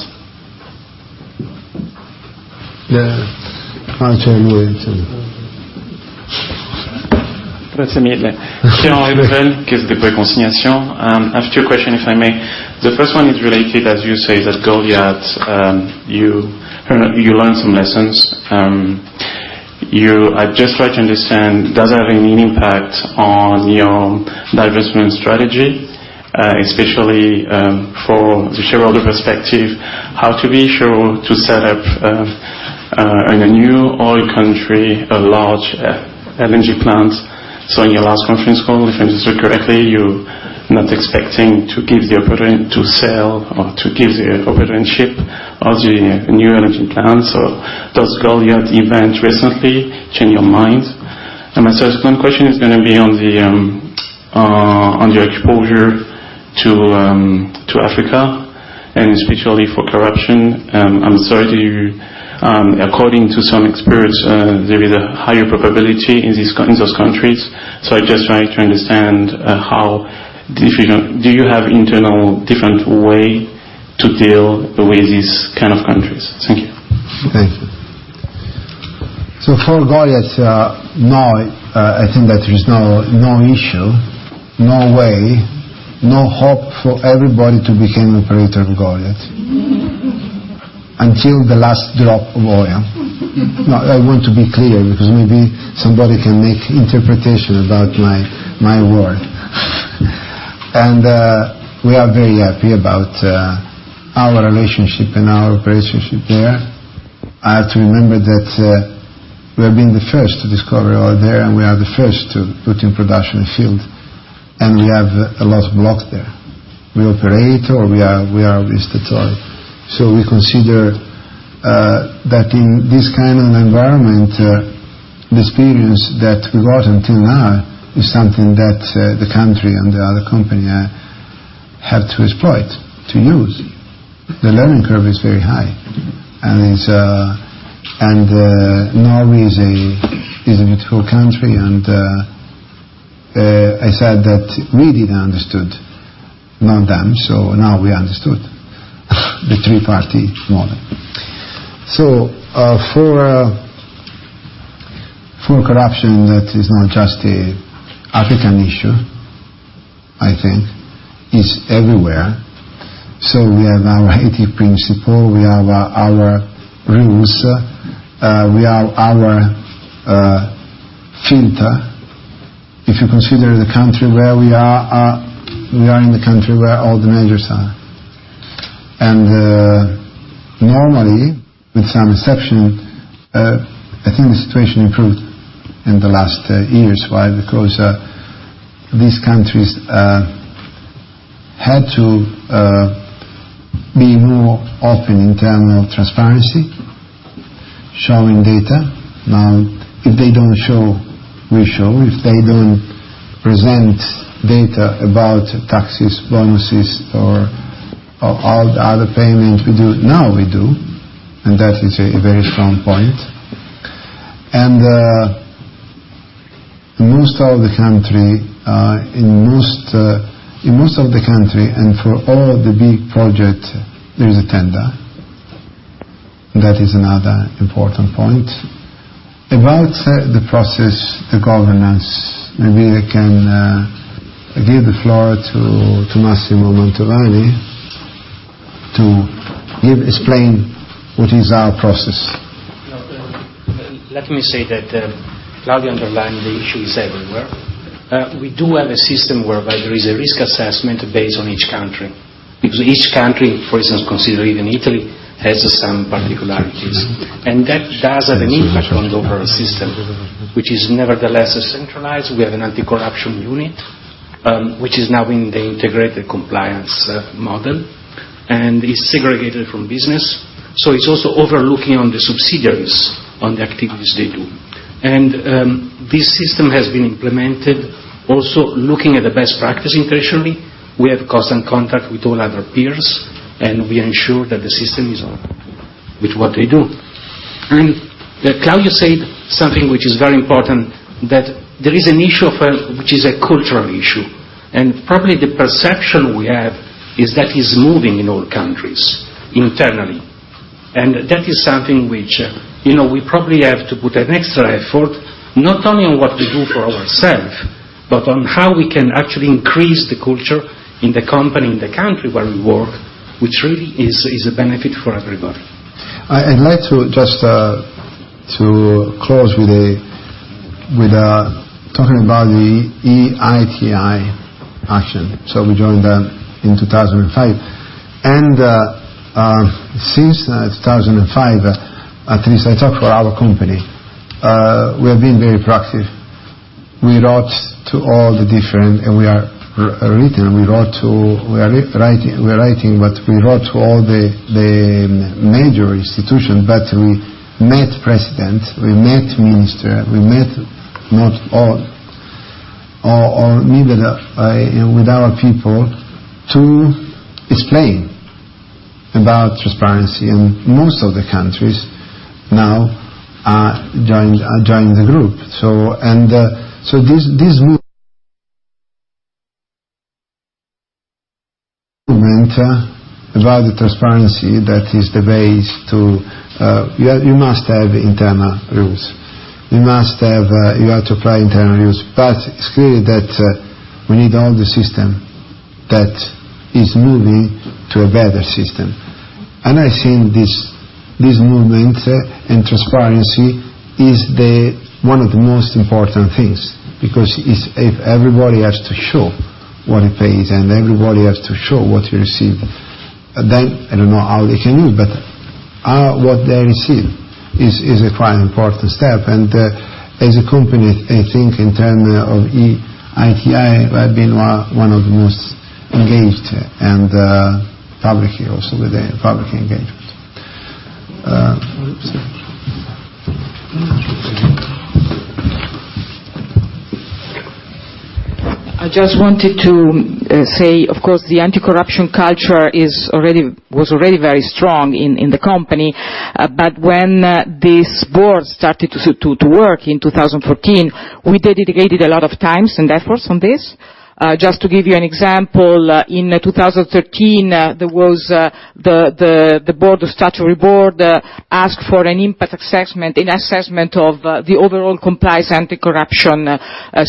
Yeah. Answer, Luca Cosentino? That's immediately. Pierre Henri Pavel, Caisse des Dépôts et Consignations. I have two question, if I may. The first one is related, as you say, that Goliat, you learned some lessons. I'd just like to understand, does it have any impact on your divestment strategy? Especially for the shareholder perspective, how to be sure to set up in a new oil country, a large LNG plant. In your last conference call, if I understood correctly, you're not expecting to give the operating, to sell or to give the operatorship of the new LNG plant. Does Goliat event recently change your mind? My subsequent question is going to be on your exposure to Africa, and especially for corruption. I'm sorry to you. According to some experts, there is a higher probability in those countries. I'd just like to understand, do you have internal different way to deal with these kind of countries? Thank you. Thank you. For Goliat, no, I think that there is no issue, no way, no hope for everybody to become operator of Goliat. Until the last drop of oil. I want to be clear because maybe somebody can make interpretation about my word. We are very happy about our relationship and our operationship there. I have to remember that we have been the first to discover oil there, and we are the first to put in production field, and we have a large block there. We operate or we are the statutory. We consider that in this kind of environment, the experience that we got until now is something that the country and the other company have to exploit, to use. The learning curve is very high, and Norway is a beautiful country. I said that we didn't understood, [inaudible] so now we understood, the three-party model. For corruption, that is not just an African issue, I think. It's everywhere. We have our EITI principle. We have our rules. We have our filter. If you consider the country where we are, we are in the country where all the majors are. Normally, with some exception, I think the situation improved in the last years. Why? Because these countries had to be more open, internal transparency, showing data. Now, if they don't show, we show. If they don't present data about taxes, bonuses, or all the other payments we do, now we do, and that is a very strong point. In most of the country, and for all the big project, there is a tender. That is another important point. About the process, the governance, maybe I can give the floor to Massimo Mantovani to explain what is our process. Let me say that Claudio underlined the issue is everywhere. We do have a system whereby there is a risk assessment based on each country, because each country, for instance, consider even Italy, has some particularities. That does have an impact on the overall system, which is nevertheless centralized. We have an anti-corruption unit, which is now in the integrated compliance model, and is segregated from business. It's also overlooking on the subsidiaries on the activities they do. This system has been implemented also looking at the best practice internationally. We have constant contact with all other peers, and we ensure that the system is on with what they do. Claudio said something which is very important, that there is an issue of which is a cultural issue. Probably the perception we have is that it's moving in all countries internally. That is something which we probably have to put an extra effort, not only on what we do for ourselves, but on how we can actually increase the culture in the company, in the country where we work, which really is a benefit for everybody. I'd like just to close with talking about the EITI action. We joined them in 2005. Since 2005, at least I talk for our company, we have been very proactive. We wrote to all the different, and we are writing, we are writing, we wrote to all the major institutions, we met president, we met minister, we met not all, or meet with our people to explain about transparency in most of the countries now are joined the group. This provide the transparency that is the base. You must have internal rules. You have to apply internal rules, it's clear that we need all the system that is moving to a better system. I think this movement and transparency is one of the most important things, because if everybody has to show what they pay, and everybody has to show what they receive, I don't know how they can do, what they receive is a quite important step. As a company, I think in terms of EITI, we have been one of the most engaged, and public also with public engagement. I just wanted to say, of course, the anti-corruption culture was already very strong in the company. When this board started to work in 2014, we dedicated a lot of times and efforts on this. Just to give you an example, in 2013, the statutory board asked for an impact assessment, an assessment of the overall compliance anti-corruption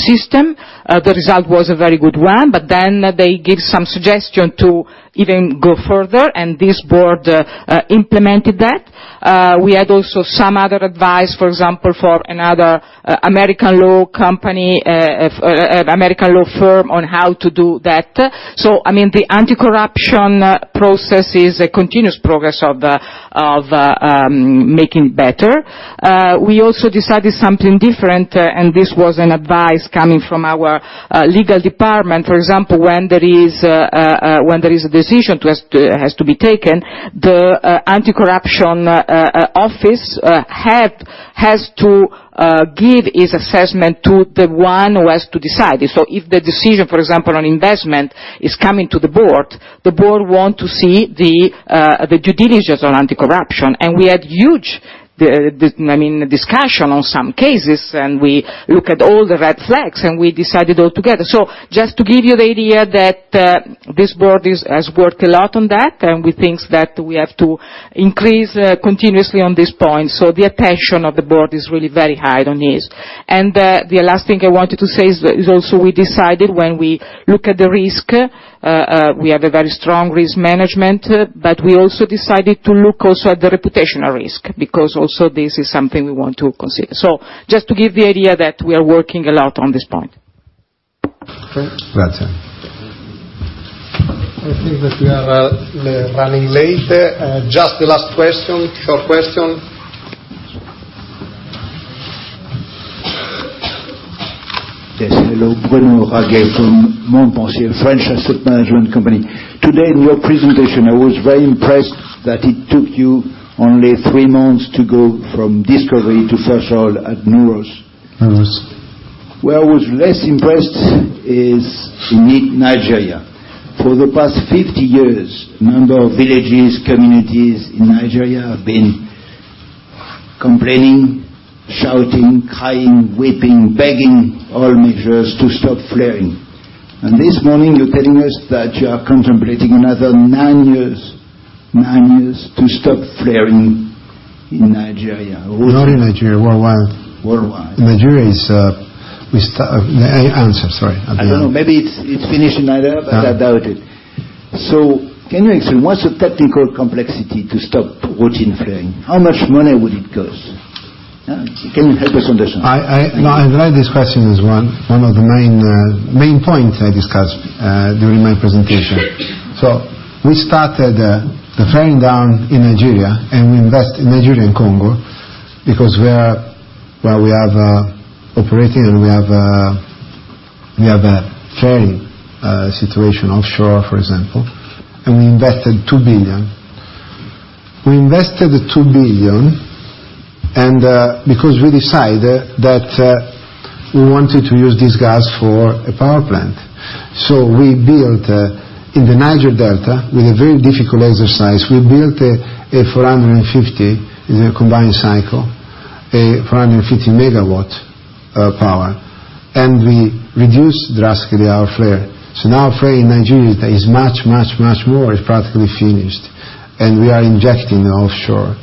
system. The result was a very good one, they give some suggestion to even go further, and this board implemented that. We had also some other advice, for example, for another American law firm on how to do that. The anti-corruption process is a continuous progress of making better. We also decided something different, and this was an advice coming from our legal department. For example, when there is a decision that has to be taken, the anti-corruption office head has to give his assessment to the one who has to decide. If the decision, for example, on investment is coming to the board, the board want to see the due diligence on anti-corruption. We had huge discussion on some cases, we look at all the red flags, we decided all together. Just to give you the idea that this board has worked a lot on that, and we think that we have to increase continuously on this point. The attention of the board is really very high on this. The last thing I wanted to say is also we decided when we look at the risk, we have a very strong risk management, we also decided to look also at the reputational risk, because also this is something we want to consider. Just to give the idea that we are working a lot on this point. Great. Grazie. I think that we are running late. Just the last question, short question. Yes. Hello. Bruno Raguet from Montpensier, French asset management company. Today in your presentation, I was very impressed that it took you only three months to go from discovery to first oil at Nooros. Nooros. Where I was less impressed is in Nigeria. For the past 50 years, a number of villages, communities in Nigeria have been complaining, shouting, crying, weeping, begging oil majors to stop flaring. This morning, you're telling us that you are contemplating another nine years to stop flaring in Nigeria. Not in Nigeria, worldwide. Worldwide. Nigeria is I'm sorry. I don't know. Maybe it's finished in Nigeria, but I doubt it. Can you explain, what's the technical complexity to stop routine flaring? How much money would it cost? Can you help us understand? No, I'm glad this question is one of the main points I discussed during my presentation. We started the flaring down in Nigeria, and we invest in Nigeria and Congo because where we are operating, and we have a flaring situation offshore, for example, and we invested 2 billion. We invested the 2 billion, and because we decided that we wanted to use this gas for a power plant. We built in the Niger Delta, with a very difficult exercise, we built a 450 in a combined cycle, a 450 MW power, and we reduced drastically our flare. Now our flare in Nigeria that is much, much, much more, is practically finished, and we are injecting offshore.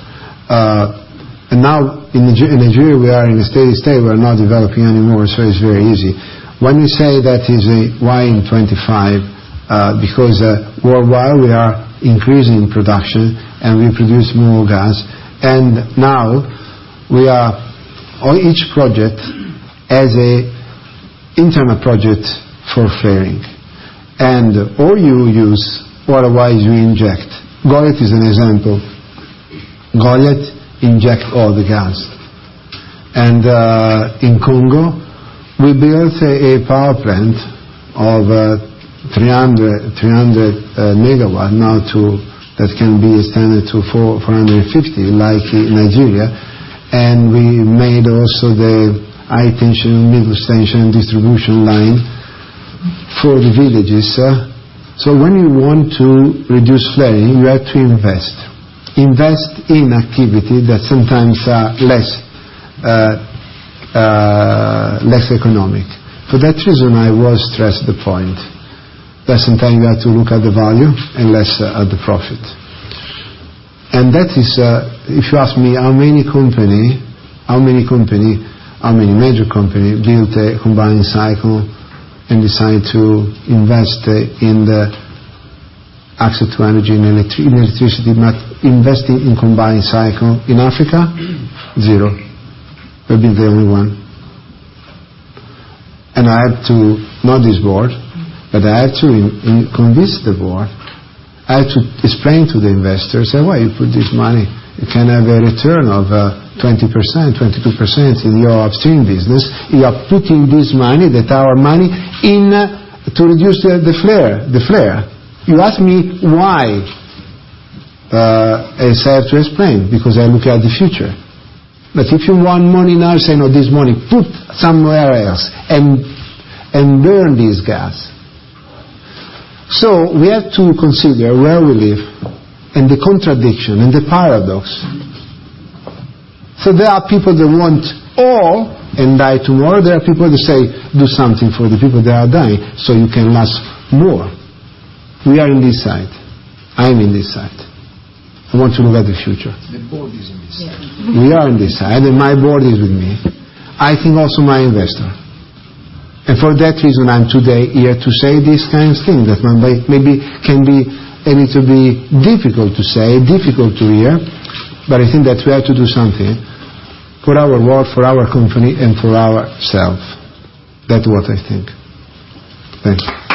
Now in Nigeria, we are in a steady state. We're not developing any more, so it's very easy. When we say that is why in 2025, because worldwide, we are increasing production, and we produce more gas. Now we are on each project as an internal project for flaring. Or you use, otherwise you inject. Goliat is an example. Goliat inject all the gas. In Congo, we built a power plant of 300 MW. Now that can be extended to 450, like in Nigeria. We made also the high tension mega station distribution line for the villages. When you want to reduce flaring, you have to invest. Invest in activity that sometimes are less economic. For that reason, I will stress the point. That sometimes you have to look at the value and less at the profit. If you ask me how many major company built a combined cycle and decide to invest in the access to energy and electricity, but investing in combined cycle in Africa? Zero. We'll be the only one. Not this board, I had to convince the board. I had to explain to the investors that, "Why you put this money? You can have a return of 20%, 22% in your upstream business. You are putting this money, that our money, to reduce the flare." You ask me why. I have to explain, because I look at the future. If you want money now, say, "No, this money, put somewhere else and burn this gas." We have to consider where we live and the contradiction and the paradox. There are people that want all and die tomorrow. There are people that say, "Do something for the people that are dying, so you can last more." We are in this side. I'm in this side. I want to look at the future. The board is on this side. We are on this side, and my board is with me, I think also my investor. For that reason, I'm today here to say these kinds of things that maybe can be a little bit difficult to say, difficult to hear, but I think that we have to do something for our world, for our company, and for ourselves. That's what I think. Thank you.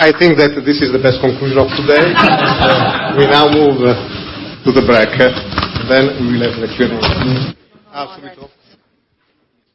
I think that this is the best conclusion of today. We now move to the break, then we will have the Q&A. Absolutely.